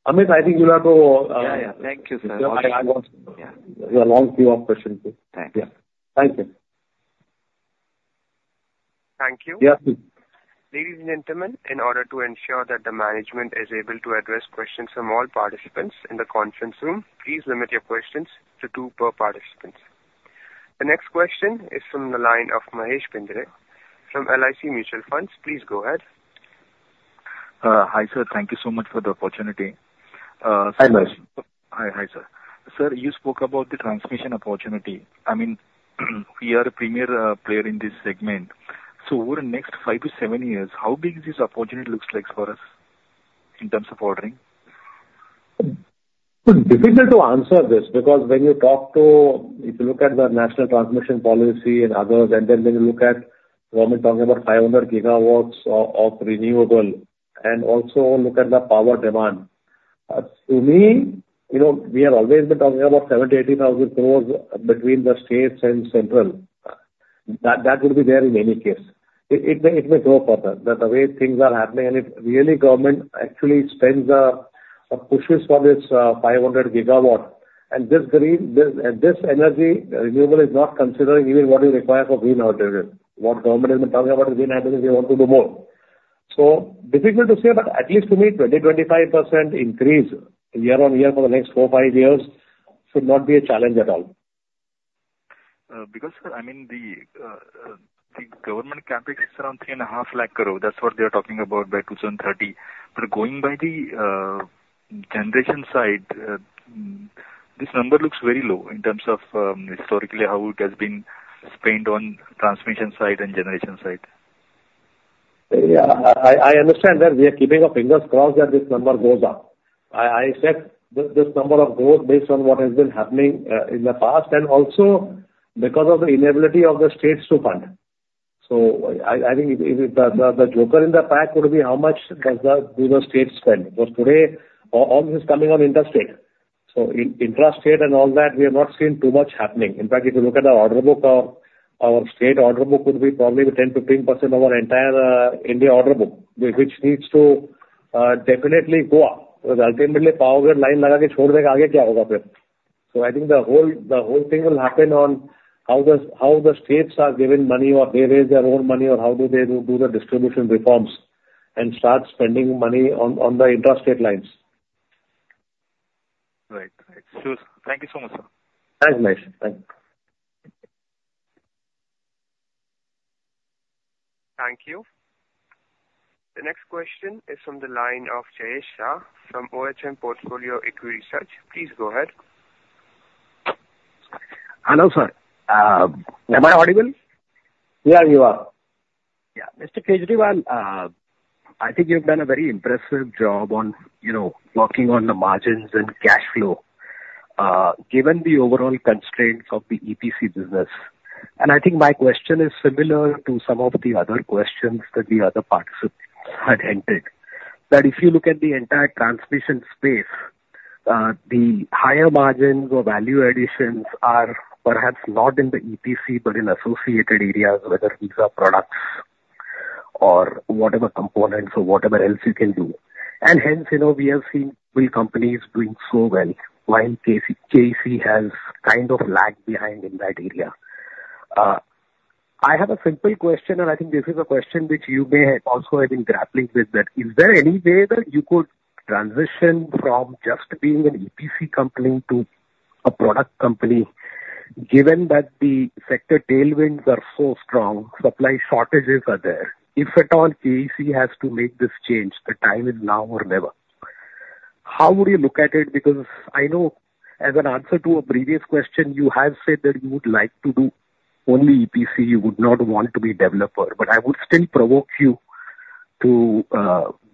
Amit, I think you'll have to, Yeah. Yeah. Thank you, sir. There's a long queue of questions here. Thanks. Yeah. Thank you. Thank you. Yeah. Ladies and gentlemen, in order to ensure that the management is able to address questions from all participants in the conference room, please limit your questions to two per participant. The next question is from the line of Mahesh Bendre from LIC Mutual Funds. Please go ahead. Hi, sir. Thank you so much for the opportunity. Hi, Mahesh. Hi. Hi, sir. Sir, you spoke about the transmission opportunity. I mean, we are a premier player in this segment. So over the next 5-7 years, how big this opportunity looks like for us in terms of ordering? Difficult to answer this because when you talk to... If you look at the national transmission policy and others, and then when you look at government talking about 500 gigawatts of renewable, and also look at the power demand. To me, you know, we have always been talking about 70,000-80,000 crore between the states and central. That would be there in any case. It may grow further, the way things are happening. And if really government actually spends or pushes for this 500 gigawatt, and this green, this, and this energy renewable is not considering even what you require for green hydrogen. What government has been talking about green hydrogen, they want to do more. Difficult to say, but at least to me, 20-25% increase year-on-year for the next 4-5 years should not be a challenge at all. Because, sir, I mean, the government CapEx is around 350,000 crore. That's what they're talking about by 2030. But going by the generation side, this number looks very low in terms of historically, how it has been spent on transmission side and generation side. Yeah, I understand that. We are keeping our fingers crossed that this number goes up. I said this number of growth based on what has been happening in the past, and also because of the inability of the states to fund. So I think the joker in the pack would be how much do the states spend? Because today, all this is coming on interstate. So in intrastate and all that, we have not seen too much happening. In fact, if you look at our order book, our state order book would be probably 10%-15% of our entire India order book, which needs to definitely go up, because ultimately- Right. Right. So thank you so much, sir. Thanks, Mahesh. Thank you. Thank you. The next question is from the line of Jayesh Shah from OHM Portfolio Equity Research. Please go ahead. Hello, sir. Am I audible? Yeah, you are. Yeah. Mr. Kejriwal, I think you've done a very impressive job on, you know, working on the margins and cash flow, given the overall constraints of the EPC business. And I think my question is similar to some of the other questions that the other participants had entered.... that if you look at the entire transmission space, the higher margins or value additions are perhaps not in the EPC, but in associated areas, whether these are products or whatever components or whatever else you can do. And hence, you know, we have seen oil companies doing so well, while KC, KEC has kind of lagged behind in that area. I have a simple question, and I think this is a question which you may also have been grappling with, that is, is there any way that you could transition from just being an EPC company to a product company, given that the sector tailwinds are so strong, supply shortages are there? If at all KEC has to make this change, the time is now or never. How would you look at it? Because I know as an answer to a previous question, you have said that you would like to do only EPC, you would not want to be developer. But I would still provoke you to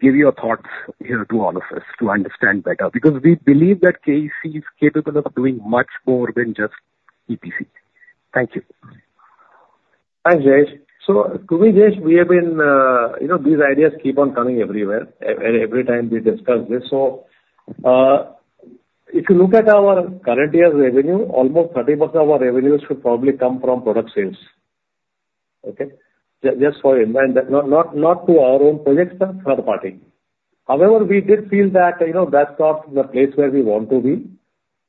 give your thoughts, you know, to all of us to understand better, because we believe that KEC is capable of doing much more than just EPC. Thank you. Thanks, Jayesh. So to me, Jayesh, we have been, you know, these ideas keep on coming everywhere every time we discuss this. So, if you look at our current year's revenue, almost 30% of our revenues should probably come from product sales. Okay? Just for your mind, not to our own projects, but third party. However, we did feel that, you know, that's not the place where we want to be,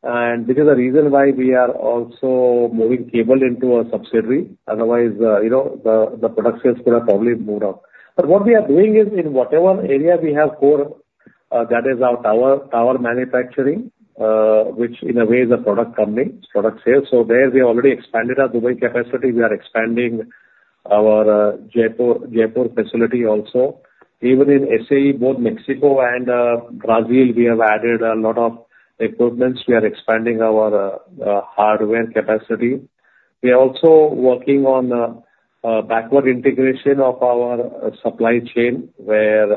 and this is the reason why we are also moving cable into a subsidiary. Otherwise, you know, the product sales could have probably moved out. But what we are doing is, in whatever area we have core, that is our tower manufacturing, which in a way is a product company, product sales. So there we already expanded our Dubai capacity. We are expanding our Jaipur facility also. Even in SAE, both Mexico and Brazil, we have added a lot of equipments. We are expanding our hardware capacity. We are also working on backward integration of our supply chain, where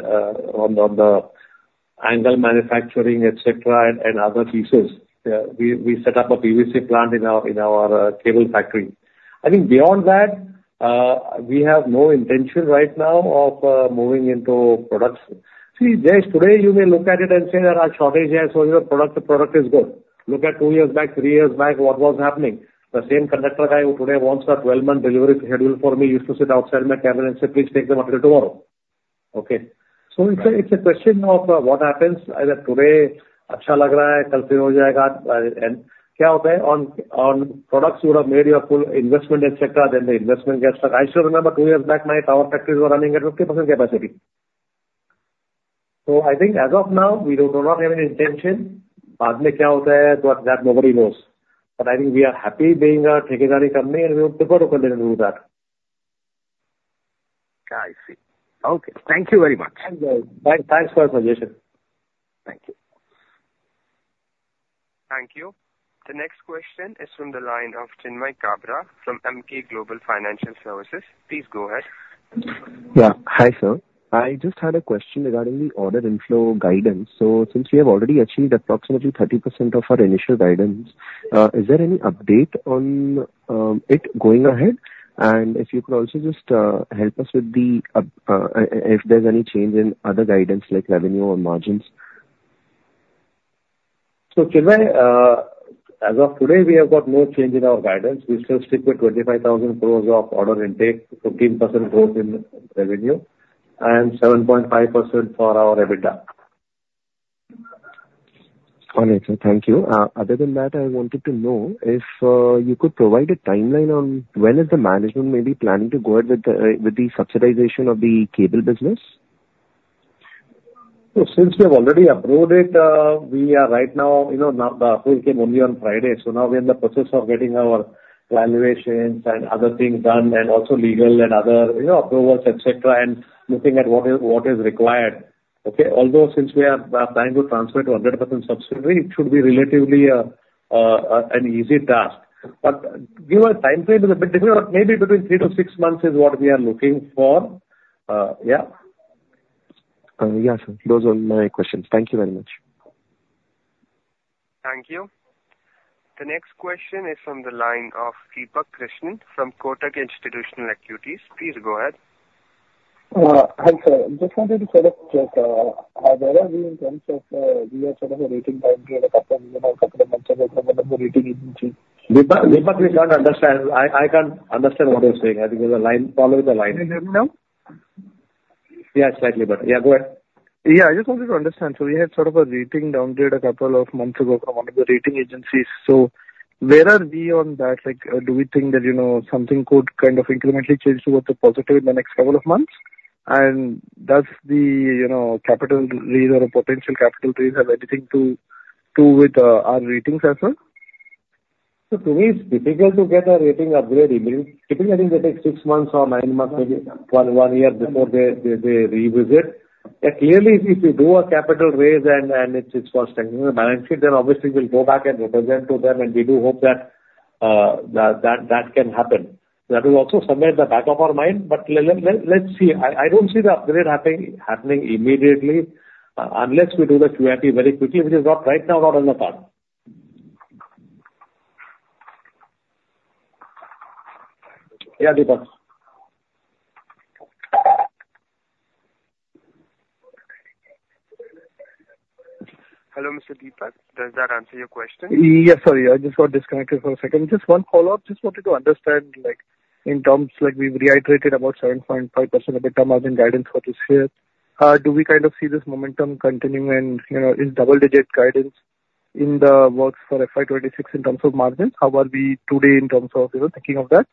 on the angle manufacturing, et cetera, and other pieces. We set up a PVC plant in our cable factory. I think beyond that, we have no intention right now of moving into products. See, Jayesh, today you may look at it and say that our shortage is so your product, the product is good. Look at two years back, three years back, what was happening? The same conductor guy who today wants a 12-month delivery schedule for me, used to sit outside my cabin and say, "Please take them until tomorrow." Okay? So it's a question of what happens. Either today, on products you would have made your full investment, et cetera, then the investment gets stuck. I still remember two years back, my tower factories were running at 50% capacity. So I think as of now, we do not have any intention that nobody knows. But I think we are happy being a company, and we would prefer to continue to do that. I see. Okay, thank you very much. Thanks, Jayesh. Thanks for the suggestion. Thank you. Thank you. The next question is from the line of Chinmay Kabra from Emkay Global Financial Services. Please go ahead. Yeah. Hi, sir, I just had a question regarding the order inflow guidance. So since we have already achieved approximately 30% of our initial guidance, is there any update on it going ahead? And if you could also just help us with the up, if there's any change in other guidance, like revenue or margins? Chinmay, as of today, we have got no change in our guidance. We still stick with 25,000 crore of order intake, 15% growth in revenue, and 7.5% for our EBITDA. Got it, sir. Thank you. Other than that, I wanted to know if you could provide a timeline on when is the management may be planning to go ahead with the subsidization of the cable business? Since we have already approved it, we are right now, you know, now the approval came only on Friday, so now we're in the process of getting our valuations and other things done, and also legal and other, you know, approvals, et cetera, and looking at what is, what is required. Okay? Although, since we are trying to transfer to a 100% subsidiary, it should be relatively an easy task. Give a timeframe to the... Maybe between 3-6 months is what we are looking for. Yeah. Yes, sir. Those were my questions. Thank you very much. Thank you. The next question is from the line of Deepak Krishnan from Kotak Institutional Equities. Please go ahead. Hi, sir. Just wanted to follow up. Where are we in terms of we are sort of in rating upgrade a couple of months ago from one of the rating agencies? Deepak, Deepak, we can't understand. I can't understand what you're saying. I think there's a line, problem with the line. Can you hear me now? Yeah, slightly better. Yeah, go ahead. Yeah, I just wanted to understand. So we had sort of a rating downgrade a couple of months ago from one of the rating agencies. So where are we on that? Like, do we think that, you know, something could kind of incrementally change toward the positive in the next couple of months? And does the, you know, capital raise or potential capital raise have anything to do with our ratings as well? So today, it's difficult to get a rating upgrade immediately. Typically, I think they take 6 months or 9 months, maybe 1 year before they revisit. But clearly, if you do a capital raise and it's for strengthening the balance sheet, then obviously we'll go back and represent to them, and we do hope that that can happen. That is also somewhere at the back of our mind, but let's see. I don't see the upgrade happening immediately, unless we do the QIP very quickly, which is not right now, not on the card.... Yeah, Deepak. Hello, Mr. Deepak. Does that answer your question? Yes, sorry, I just got disconnected for a second. Just one follow-up. Just wanted to understand, like, in terms like we've reiterated about 7.5% EBITDA margin guidance for this year, do we kind of see this momentum continuing, you know, in double digit guidance in the works for FY 2026 in terms of margins? How are we today in terms of, you know, thinking of that?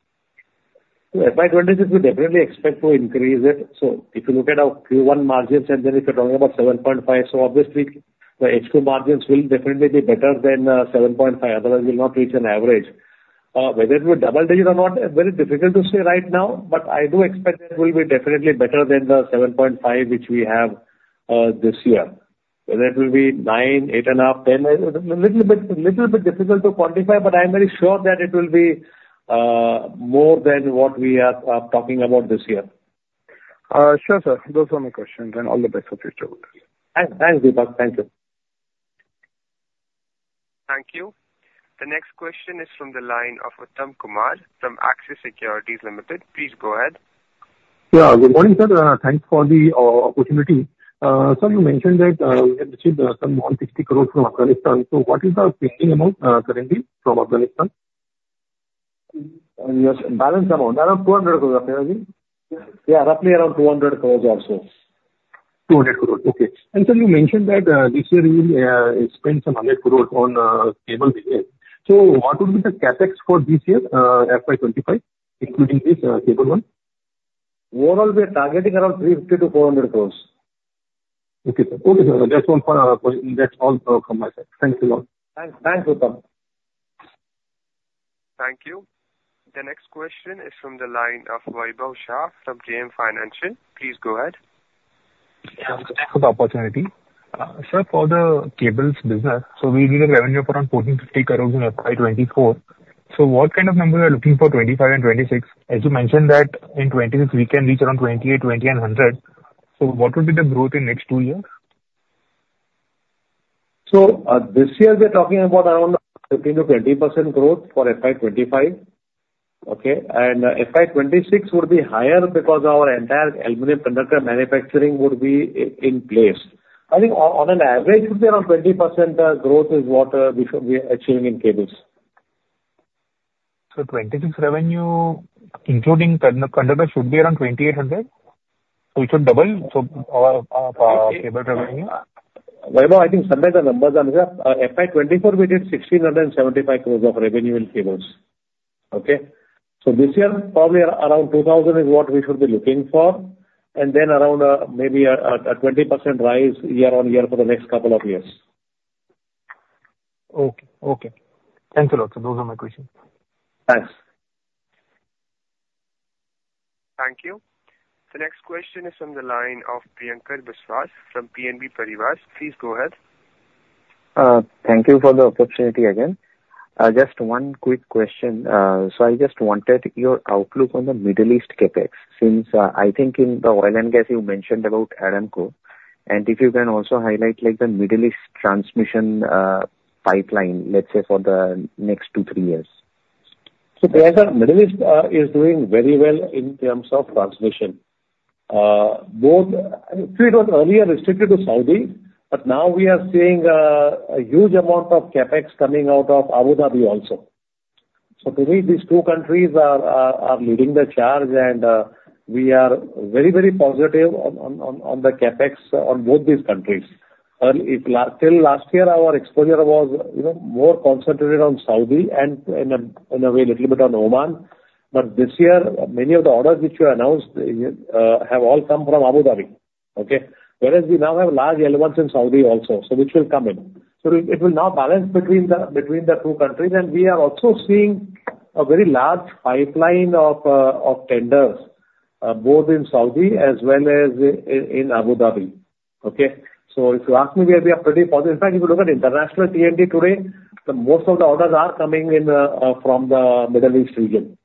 So FY 2026, we definitely expect to increase it. So if you look at our Q1 margins and then if you're talking about 7.5, so obviously, the H2 margins will definitely be better than 7.5, otherwise we'll not reach an average. Whether it will double digit or not, very difficult to say right now, but I do expect it will be definitely better than the 7.5 which we have this year. Whether it will be 9, 8.5, 10, little bit difficult to quantify, but I'm very sure that it will be more than what we are talking about this year. Sure, sir. Those are my questions, and all the best for future. Thanks. Thanks, Deepak. Thank you. Thank you. The next question is from the line of Uttam Kumar from Axis Securities Limited. Please go ahead. Yeah, good morning, sir. Thanks for the opportunity. Sir, you mentioned that we have received some more 60 crore from Afghanistan. So what is the pending amount currently from Afghanistan? Yes, balance amount, around 200 crore, roughly. Yeah, roughly around 200 crore also. 200 crore. Okay. And sir, you mentioned that, this year you will, spend some 100 crore on, cable business. So what would be the CapEx for this year, FY 2025, including this, cable one? Overall, we are targeting around 350 crore-400 crore. Okay, sir. Okay, sir, just one final question. That's all, from my side. Thanks a lot. Thanks. Thanks, Uttam. Thank you. The next question is from the line of Vaibhav Shah from JM Financial. Please go ahead. Yeah, thanks for the opportunity. Sir, for the cables business, so we did a revenue of around 1,450 crores in FY 2024. So what kind of number we are looking for 2025 and 2026? As you mentioned that in 2026, we can reach around 2,800-2,900. So what will be the growth in next two years? So, this year we are talking about around 15%-20% growth for FY 2025, okay? And FY 2026 would be higher because our entire aluminum conductor manufacturing would be in place. I think on an average, around 20% growth is what we should be achieving in cables. 26 revenue, including conductor, should be around 2,800, which will double, so our cable revenue. Vaibhav, I think somewhere the numbers are mixed up. FY 2024, we did 1,675 crore of revenue in cables. Okay? So this year, probably around 2,000 is what we should be looking for, and then around, maybe a 20% rise year-on-year for the next couple of years. Okay. Okay. Thanks a lot, sir. Those are my questions. Thanks. Thank you. The next question is from the line of Priyanka Biswas from PNB Paribas. Please go ahead. Thank you for the opportunity again. Just one quick question. So I just wanted your outlook on the Middle East CapEx, since I think in the oil and gas you mentioned about Aramco, and if you can also highlight, like, the Middle East transmission pipeline, let's say, for the next two, three years. So Priyanka, Middle East is doing very well in terms of transmission. Both. It was earlier restricted to Saudi, but now we are seeing a huge amount of CapEx coming out of Abu Dhabi also. So to me, these two countries are leading the charge, and we are very, very positive on the CapEx on both these countries. Earlier till last year, our exposure was, you know, more concentrated on Saudi and in a way, little bit on Oman. But this year, many of the orders which we announced have all come from Abu Dhabi, okay? Whereas we now have large elements in Saudi also, so which will come in. So it will now balance between the two countries, and we are also seeing a very large pipeline of tenders, both in Saudi as well as in Abu Dhabi. Okay? So if you ask me, we are pretty positive. In fact, if you look at international T&D today, the most of the orders are coming in from the Middle East region.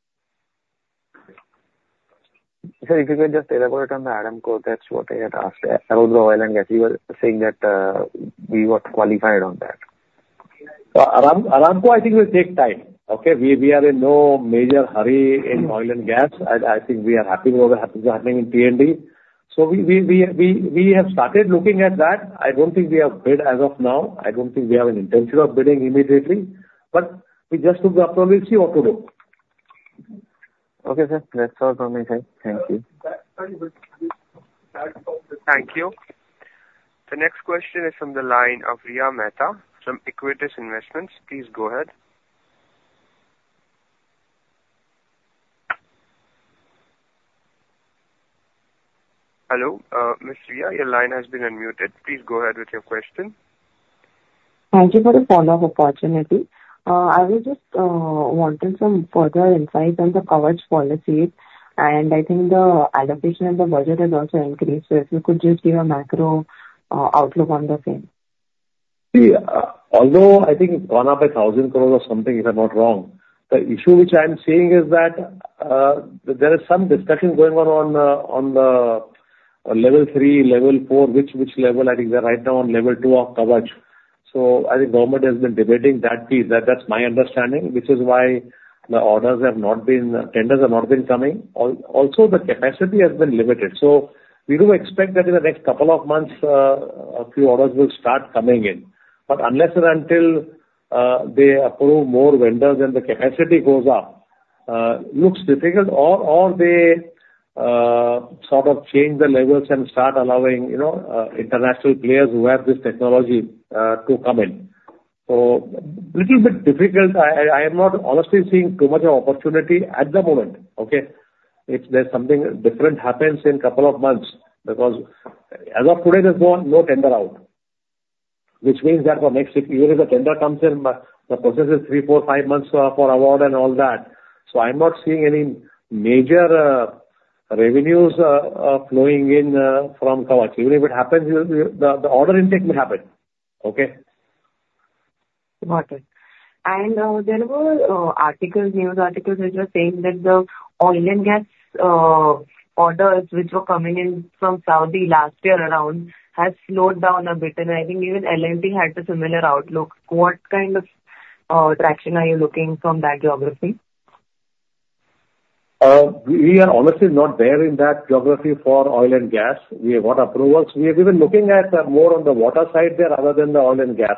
Sir, if you can just elaborate on the Aramco, that's what I had asked. Around the oil and gas, you were saying that, we got qualified on that. Aramco I think will take time. Okay? We are in no major hurry in oil and gas. I think we are happy with what's happening in T&D. So we have started looking at that. I don't think we have bid as of now. I don't think we have an intention of bidding immediately, but we just took the opportunity of today. Okay, sir. That's all from my side. Thank you. Thank you. The next question is from the line of Riya Mehta from Equitas Investments. Please go ahead. Hello, Miss Riya, your line has been unmuted. Please go ahead with your question. Thank you for the follow-up opportunity. I was just wanting some further insight on the coverage policy, and I think the allocation of the budget has also increased. So if you could just give a macro outlook on the same? See, although I think it's gone up by 1,000 crore or something, if I'm not wrong, the issue which I'm seeing is that, there is some discussion going on, on, on the level three, level four, which, which level? I think they're right now on level two of Kavach. So I think government has been debating that piece. That's my understanding, which is why the orders have not been, tenders have not been coming. Also, the capacity has been limited. So we do expect that in the next couple of months, a few orders will start coming in. But unless and until, they approve more vendors and the capacity goes up, looks difficult. Or they sort of change the levels and start allowing, you know, international players who have this technology, to come in. Little bit difficult. I am not honestly seeing too much of opportunity at the moment. Okay? If there's something different happens in couple of months, because as of today, there's no tender out, which means that for next year, if the tender comes in, but the process is 3, 4, 5 months for award and all that. So I'm not seeing any major revenues flowing in from Kavach. Even if it happens, the order intake will happen. Okay? Got it. And, there were, articles, news articles which were saying that the oil and gas, orders which were coming in from Saudi last year around has slowed down a bit, and I think even L&T had a similar outlook. What kind of traction are you looking from that geography? We are honestly not there in that geography for oil and gas. We have got approvals. We are even looking at, more on the water side there other than the oil and gas.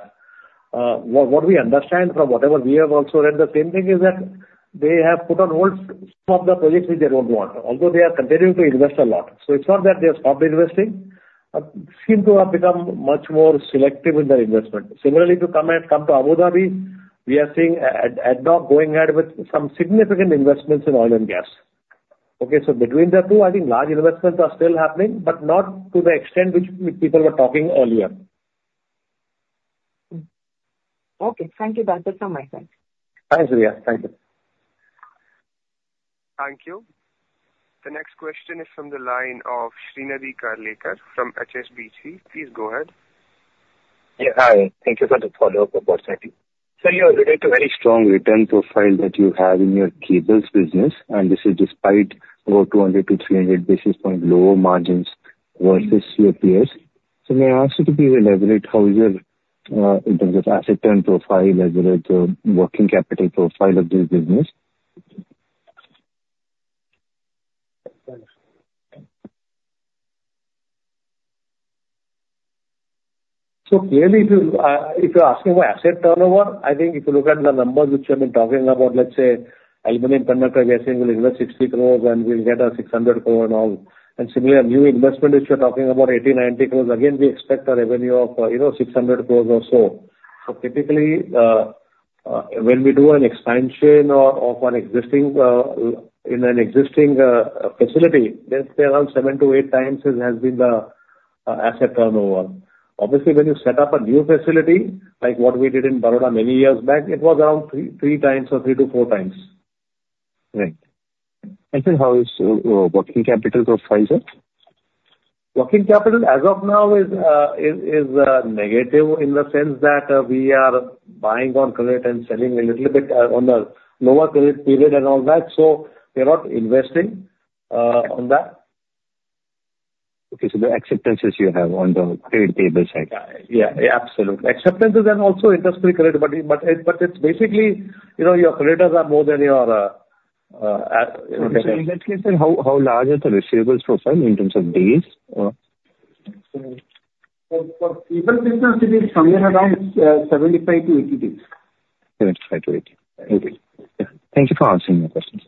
What we understand from whatever we have also read the same thing, is that they have put on hold some of the projects which they don't want, although they are continuing to invest a lot. So it's not that they have stopped investing, but seem to have become much more selective in their investment. Similarly, to come to Abu Dhabi, we are seeing ADNOC going ahead with some significant investments in oil and gas. Okay, so between the two, I think large investments are still happening, but not to the extent which people were talking earlier. Hmm. Okay. Thank you, that's all from my side. Thanks, Riya. Thank you. Thank you. The next question is from the line of Shrinidhi Karlekar from HSBC. Please go ahead. Yeah, hi. Thank you for the follow-up opportunity. Sir, you have a very strong return profile that you have in your cables business, and this is despite about 200-300 basis points lower margins versus your peers. So may I ask you to please elaborate how your, in terms of asset turnover profile, as well as the working capital profile of this business? So clearly, if you, if you're asking about asset turnover, I think if you look at the numbers which I've been talking about, let's say aluminum conductor, we are saying we'll invest 60 crore and we'll get 600 crore and all. And similarly, a new investment, if you're talking about 80-90 crore, again, we expect a revenue of, you know, 600 crore or so. So typically, when we do an expansion or of an existing, in an existing, facility, let's say around 7-8 times has been the, asset turnover. Obviously, when you set up a new facility, like what we did in Vadodara many years back, it was around 3, 3 times or 3-4 times. Right. And then how is working capital profile, sir? Working capital, as of now, is negative in the sense that we are buying on credit and selling a little bit on a lower credit period and all that. So we are not investing on that. Okay, so the acceptances you have on the credit table side? Yeah, yeah, absolutely. Acceptances and also industry credit. But, but it, but it's basically, you know, your creditors are more than your- So in that case, then, how large is the receivables profile in terms of days, or? For cable business, it is somewhere around 75-80 days. 75-80. Okay. Thank you for answering my questions.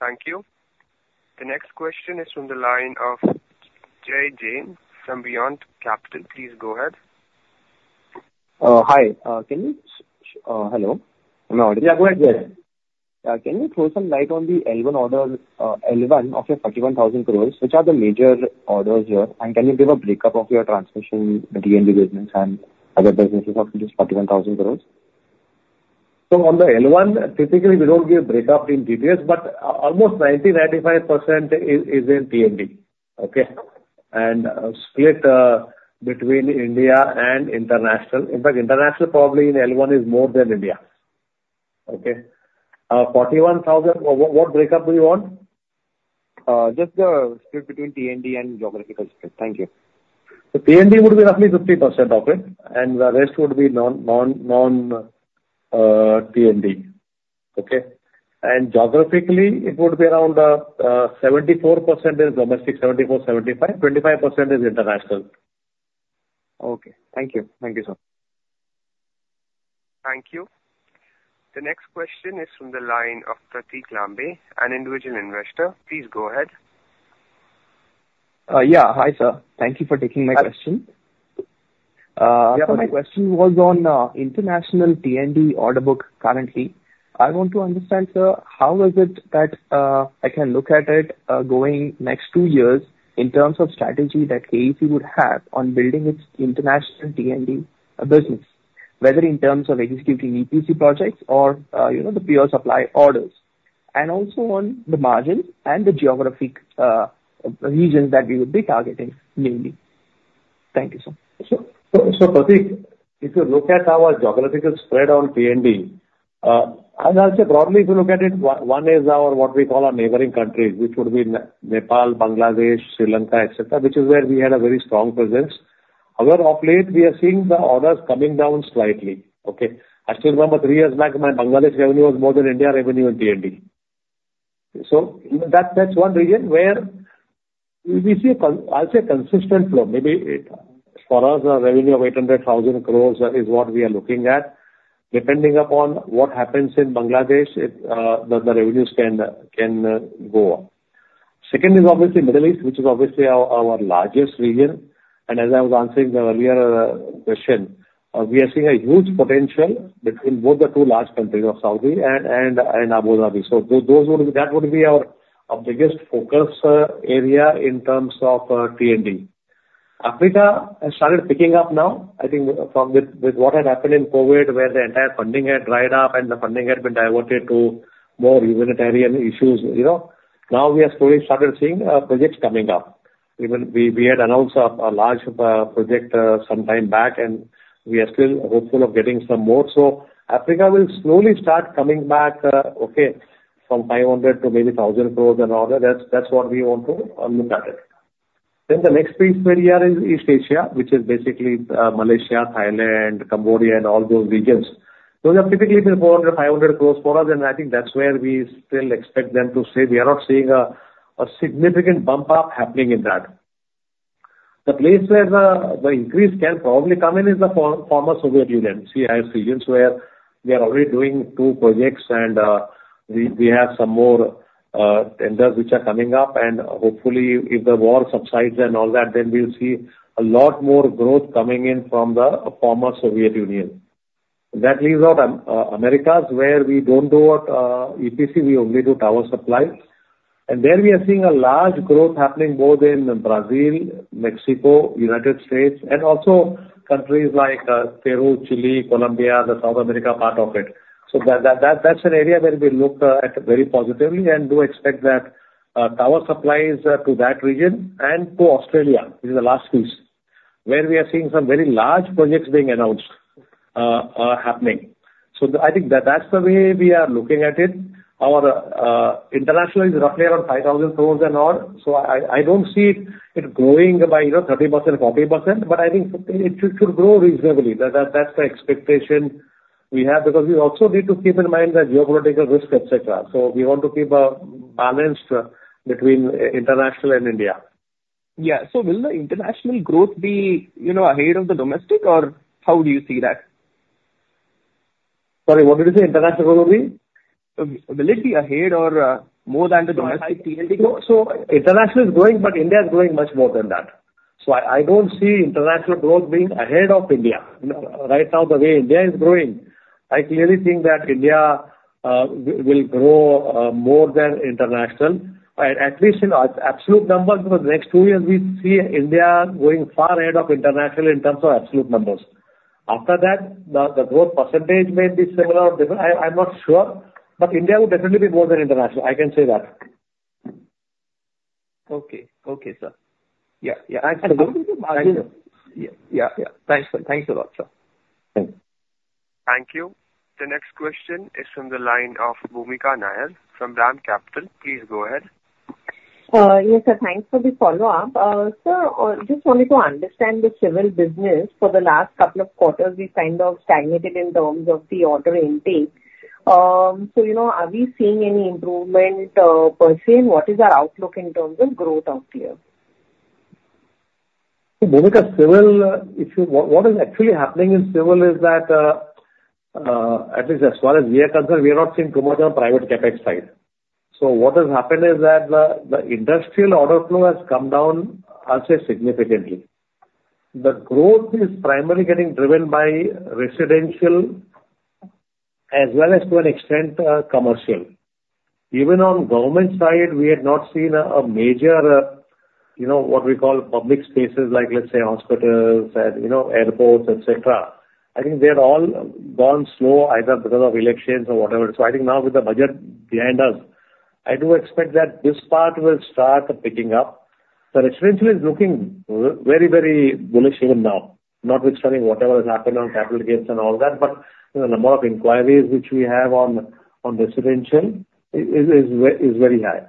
Thank you. The next question is from the line of Jay Jane from Beyond Capital. Please go ahead. Hi. Can you... Hello, am I audible? Yeah, go ahead. Yeah. Can you throw some light on the L1 order, L1 of your 31,000 crore? Which are the major orders here, and can you give a breakup of your transmission, T&D business and other businesses of this 31,000 crore? On the L1, typically, we don't give breakup in details, but almost 90%-95% is in T&D. Okay? Split between India and international. In fact, international probably in L1 is more than India. Okay? 41,000, what breakup do you want? Just the split between T&D and geographical split. Thank you. The T&D would be roughly 50% of it, and the rest would be non-T&D. Okay? And geographically, it would be around 74% is domestic, 74-75%. 25% is international. Okay. Thank you. Thank you, sir. Thank you. The next question is from the line of Pratik Lambe, an individual investor. Please go ahead. Yeah. Hi, sir. Thank you for taking my question. Uh- Yeah, my question was on international T&D order book currently. I want to understand, sir, how is it that I can look at it going next two years in terms of strategy that KEC would have on building its international T&D business, whether in terms of executing EPC projects or, you know, the pure supply orders, and also on the margin and the geographic regions that we would be targeting mainly?... Thank you, sir. So, Pratik, if you look at our geographical spread on P&D, I'll say broadly, if you look at it, one is our what we call our neighboring countries, which would be Nepal, Bangladesh, Sri Lanka, et cetera, which is where we had a very strong presence. However, of late, we are seeing the orders coming down slightly. Okay? I still remember three years back, my Bangladesh revenue was more than India revenue in P&D. So that's one region where we see consistent flow. I'll say consistent flow. Maybe it, for us, a revenue of 800,000 crore is what we are looking at. Depending upon what happens in Bangladesh, the revenues can go up. Second is obviously Middle East, which is obviously our largest region. As I was answering the earlier question, we are seeing a huge potential between both the two large countries of Saudi Arabia and Abu Dhabi. So those would be our biggest focus area in terms of P&D. Africa has started picking up now. I think from what had happened in COVID, where the entire funding had dried up and the funding had been diverted to more humanitarian issues, you know. Now we have slowly started seeing projects coming up. Even we had announced a large project some time back, and we are still hopeful of getting some more. So Africa will slowly start coming back, okay, from 500 crores to maybe 1,000 crores in order. That's what we want to look at it. Then the next piece where we are in East Asia, which is basically Malaysia, Thailand, Cambodia, and all those regions. Those are typically 400-500 crore for us, and I think that's where we still expect them to stay. We are not seeing a significant bump up happening in that. The place where the increase can probably come in is the former Soviet Union CIS regions where we are already doing 2 projects and we have some more tenders which are coming up, and hopefully, if the war subsides and all that, then we'll see a lot more growth coming in from the former Soviet Union. That leaves out Americas, where we don't do EPC, we only do tower supplies. There we are seeing a large growth happening both in Brazil, Mexico, United States, and also countries like Peru, Chile, Colombia, the South America part of it. So that, that's an area where we look at very positively and do expect that tower supplies to that region and to Australia is the last piece, where we are seeing some very large projects being announced happening. So I think that's the way we are looking at it. Our international is roughly around 5,000 crore and odd, so I don't see it growing by, you know, 30%, 40%, but I think it should grow reasonably. That's the expectation we have, because we also need to keep in mind the geopolitical risk, et cetera. So we want to keep a balance between international and India. Yeah. So will the international growth be, you know, ahead of the domestic, or how do you see that? Sorry, what did you say? International will be? Will it be ahead or more than the domestic P&D growth? So international is growing, but India is growing much more than that. So I don't see international growth being ahead of India. You know, right now, the way India is growing, I clearly think that India will grow more than international. At least in absolute numbers, for the next two years, we see India going far ahead of international in terms of absolute numbers. After that, the growth percentage may be similar or different, I, I'm not sure, but India will definitely be more than international, I can say that. Okay. Okay, sir. Yeah, yeah. Thanks a lot. Thank you. Yeah. Yeah, yeah. Thanks. Thanks a lot, sir. Thank you. Thank you. The next question is from the line of Bhoomika Nair from DAM Capital. Please go ahead. Yes, sir, thanks for the follow-up. Sir, just wanted to understand the civil business. For the last couple of quarters, we've kind of stagnated in terms of the order intake. So, you know, are we seeing any improvement, per se, and what is our outlook in terms of growth out there? Bhumika, civil, if you... What is actually happening in civil is that, at least as far as we are concerned, we are not seeing too much on private CapEx side. So what has happened is that the industrial order flow has come down, I'll say, significantly. The growth is primarily getting driven by residential as well as, to an extent, commercial. Even on government side, we had not seen a major, you know, what we call public spaces, like, let's say, hospitals and, you know, airports, et cetera. I think they're all gone slow, either because of elections or whatever. So I think now with the budget behind us, I do expect that this part will start picking up. The residential is looking very, very bullish even now, notwithstanding whatever has happened on capital gains and all that, but the number of inquiries which we have on residential is very high.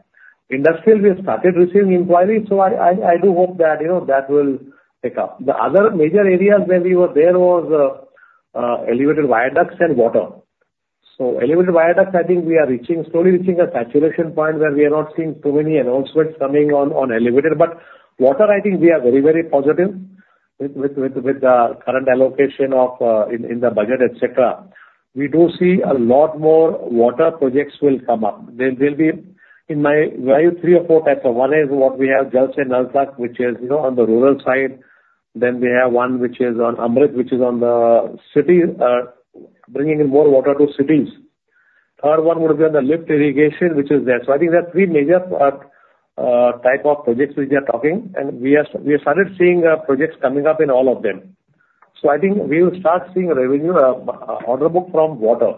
Industrial, we have started receiving inquiries, so I do hope that, you know, that will pick up. The other major areas where we were there was elevated viaducts and water. So elevated viaducts, I think we are reaching, slowly reaching a saturation point where we are not seeing too many announcements coming on elevated. But water, I think we are very, very positive with the current allocation of in the budget, et cetera. We do see a lot more water projects will come up. There'll be, in my view, three or four types of: One is what we have, Jal Jeevan Mission, which is, you know, on the rural side. Then we have one which is on Amrit, which is on the cities, bringing in more water to cities. Third one would have been the lift irrigation, which is there. So I think there are three major type of projects which we are talking, and we have started seeing projects coming up in all of them. So I think we will start seeing revenue, order book from water.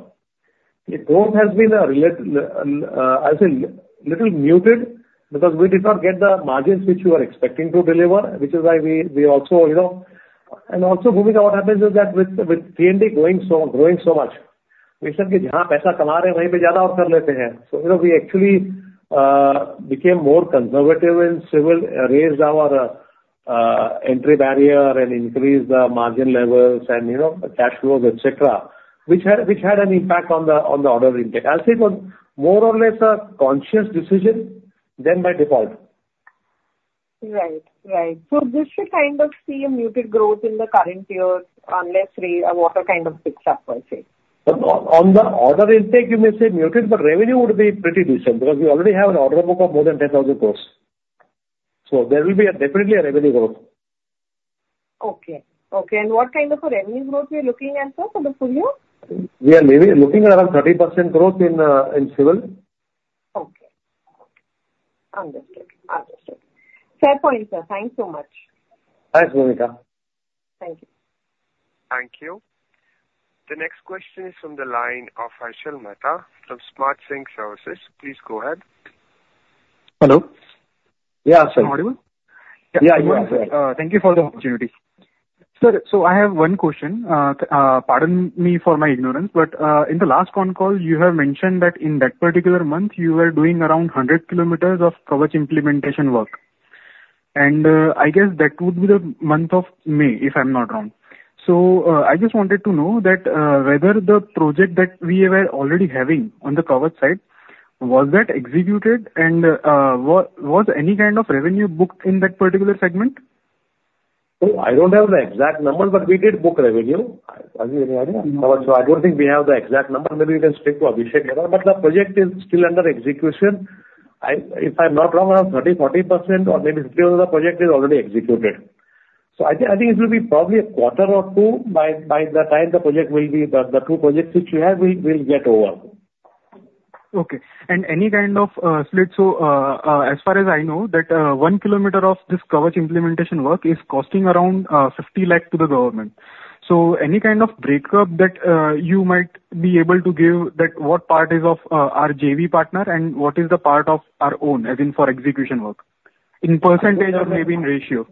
The growth has been a relatively little muted, because we did not get the margins which we were expecting to deliver, which is why we, we also, you know. And also, Bhumika, what happens is that with, with P&D going so, growing so much, we said, "...". So, you know, we actually became more conservative in civil, raised our entry barrier and increased the margin levels and, you know, the cash flows, et cetera, which had an impact on the, on the order intake. I'll say it was more or less a conscious decision than by default. Right. Right. So this should kind of see a muted growth in the current year, unless re-water kind of picks up, I'd say. But on the order intake, you may say muted, but revenue would be pretty decent, because we already have an order book of more than 10,000 crore. So there will be a definitely a revenue growth. Okay. Okay, and what kind of a revenue growth we are looking at, sir, for the full year? We are maybe looking at around 30% growth in civil. Okay. Okay. Understood. Understood. Fair point, sir. Thank you so much. Thanks, Bhoomika. Thank you. Thank you. The next question is from the line of Ashal Mehta from Smart Sync Services. Please go ahead. Hello? Yeah, sir. Am I audible? Yeah, you are, sir. Thank you for the opportunity. Sir, so I have one question. Pardon me for my ignorance, but in the last con call, you have mentioned that in that particular month, you were doing around 100 kilometers of coverage implementation work. And I guess that would be the month of May, if I'm not wrong. So I just wanted to know that whether the project that we were already having on the coverage side, was that executed and was any kind of revenue booked in that particular segment? Oh, I don't have the exact number, but we did book revenue. I, any idea? So I don't think we have the exact number. Maybe you can speak to Abhishek about it, but the project is still under execution. I... If I'm not wrong, around 30%-40% or maybe still the project is already executed. So I think, I think it will be probably a quarter or two by, by the time the project will be, the, the two projects which we have, we, will get over. Okay. And any kind of split? So, as far as I know, that one kilometer of this coverage implementation work is costing around 50 lakh to the government. So any kind of breakup that you might be able to give that what part is of our JV partner and what is the part of our own, as in for execution work, in percentage or maybe in ratio?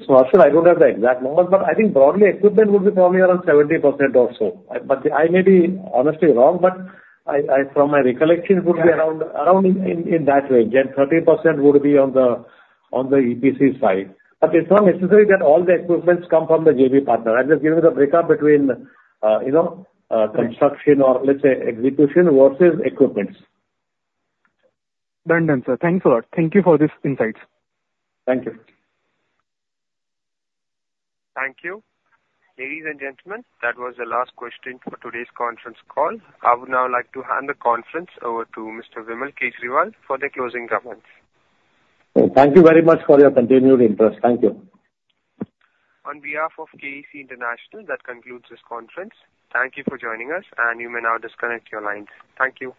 So Ashal, I don't have the exact numbers, but I think broadly, equipment would be probably around 70% or so. But I may be honestly wrong, but from my recollection, it would be around in that range, and 30% would be on the EPC side. But it's not necessary that all the equipments come from the JV partner. I'm just giving you the breakup between, you know, construction or let's say, execution versus equipments. Done then, sir. Thanks a lot. Thank you for this insights. Thank you. Thank you. Ladies and gentlemen, that was the last question for today's conference call. I would now like to hand the conference over to Mr. Vimal Kejriwal for the closing comments. Thank you very much for your continued interest. Thank you. On behalf of KEC International, that concludes this conference. Thank you for joining us, and you may now disconnect your lines. Thank you once again.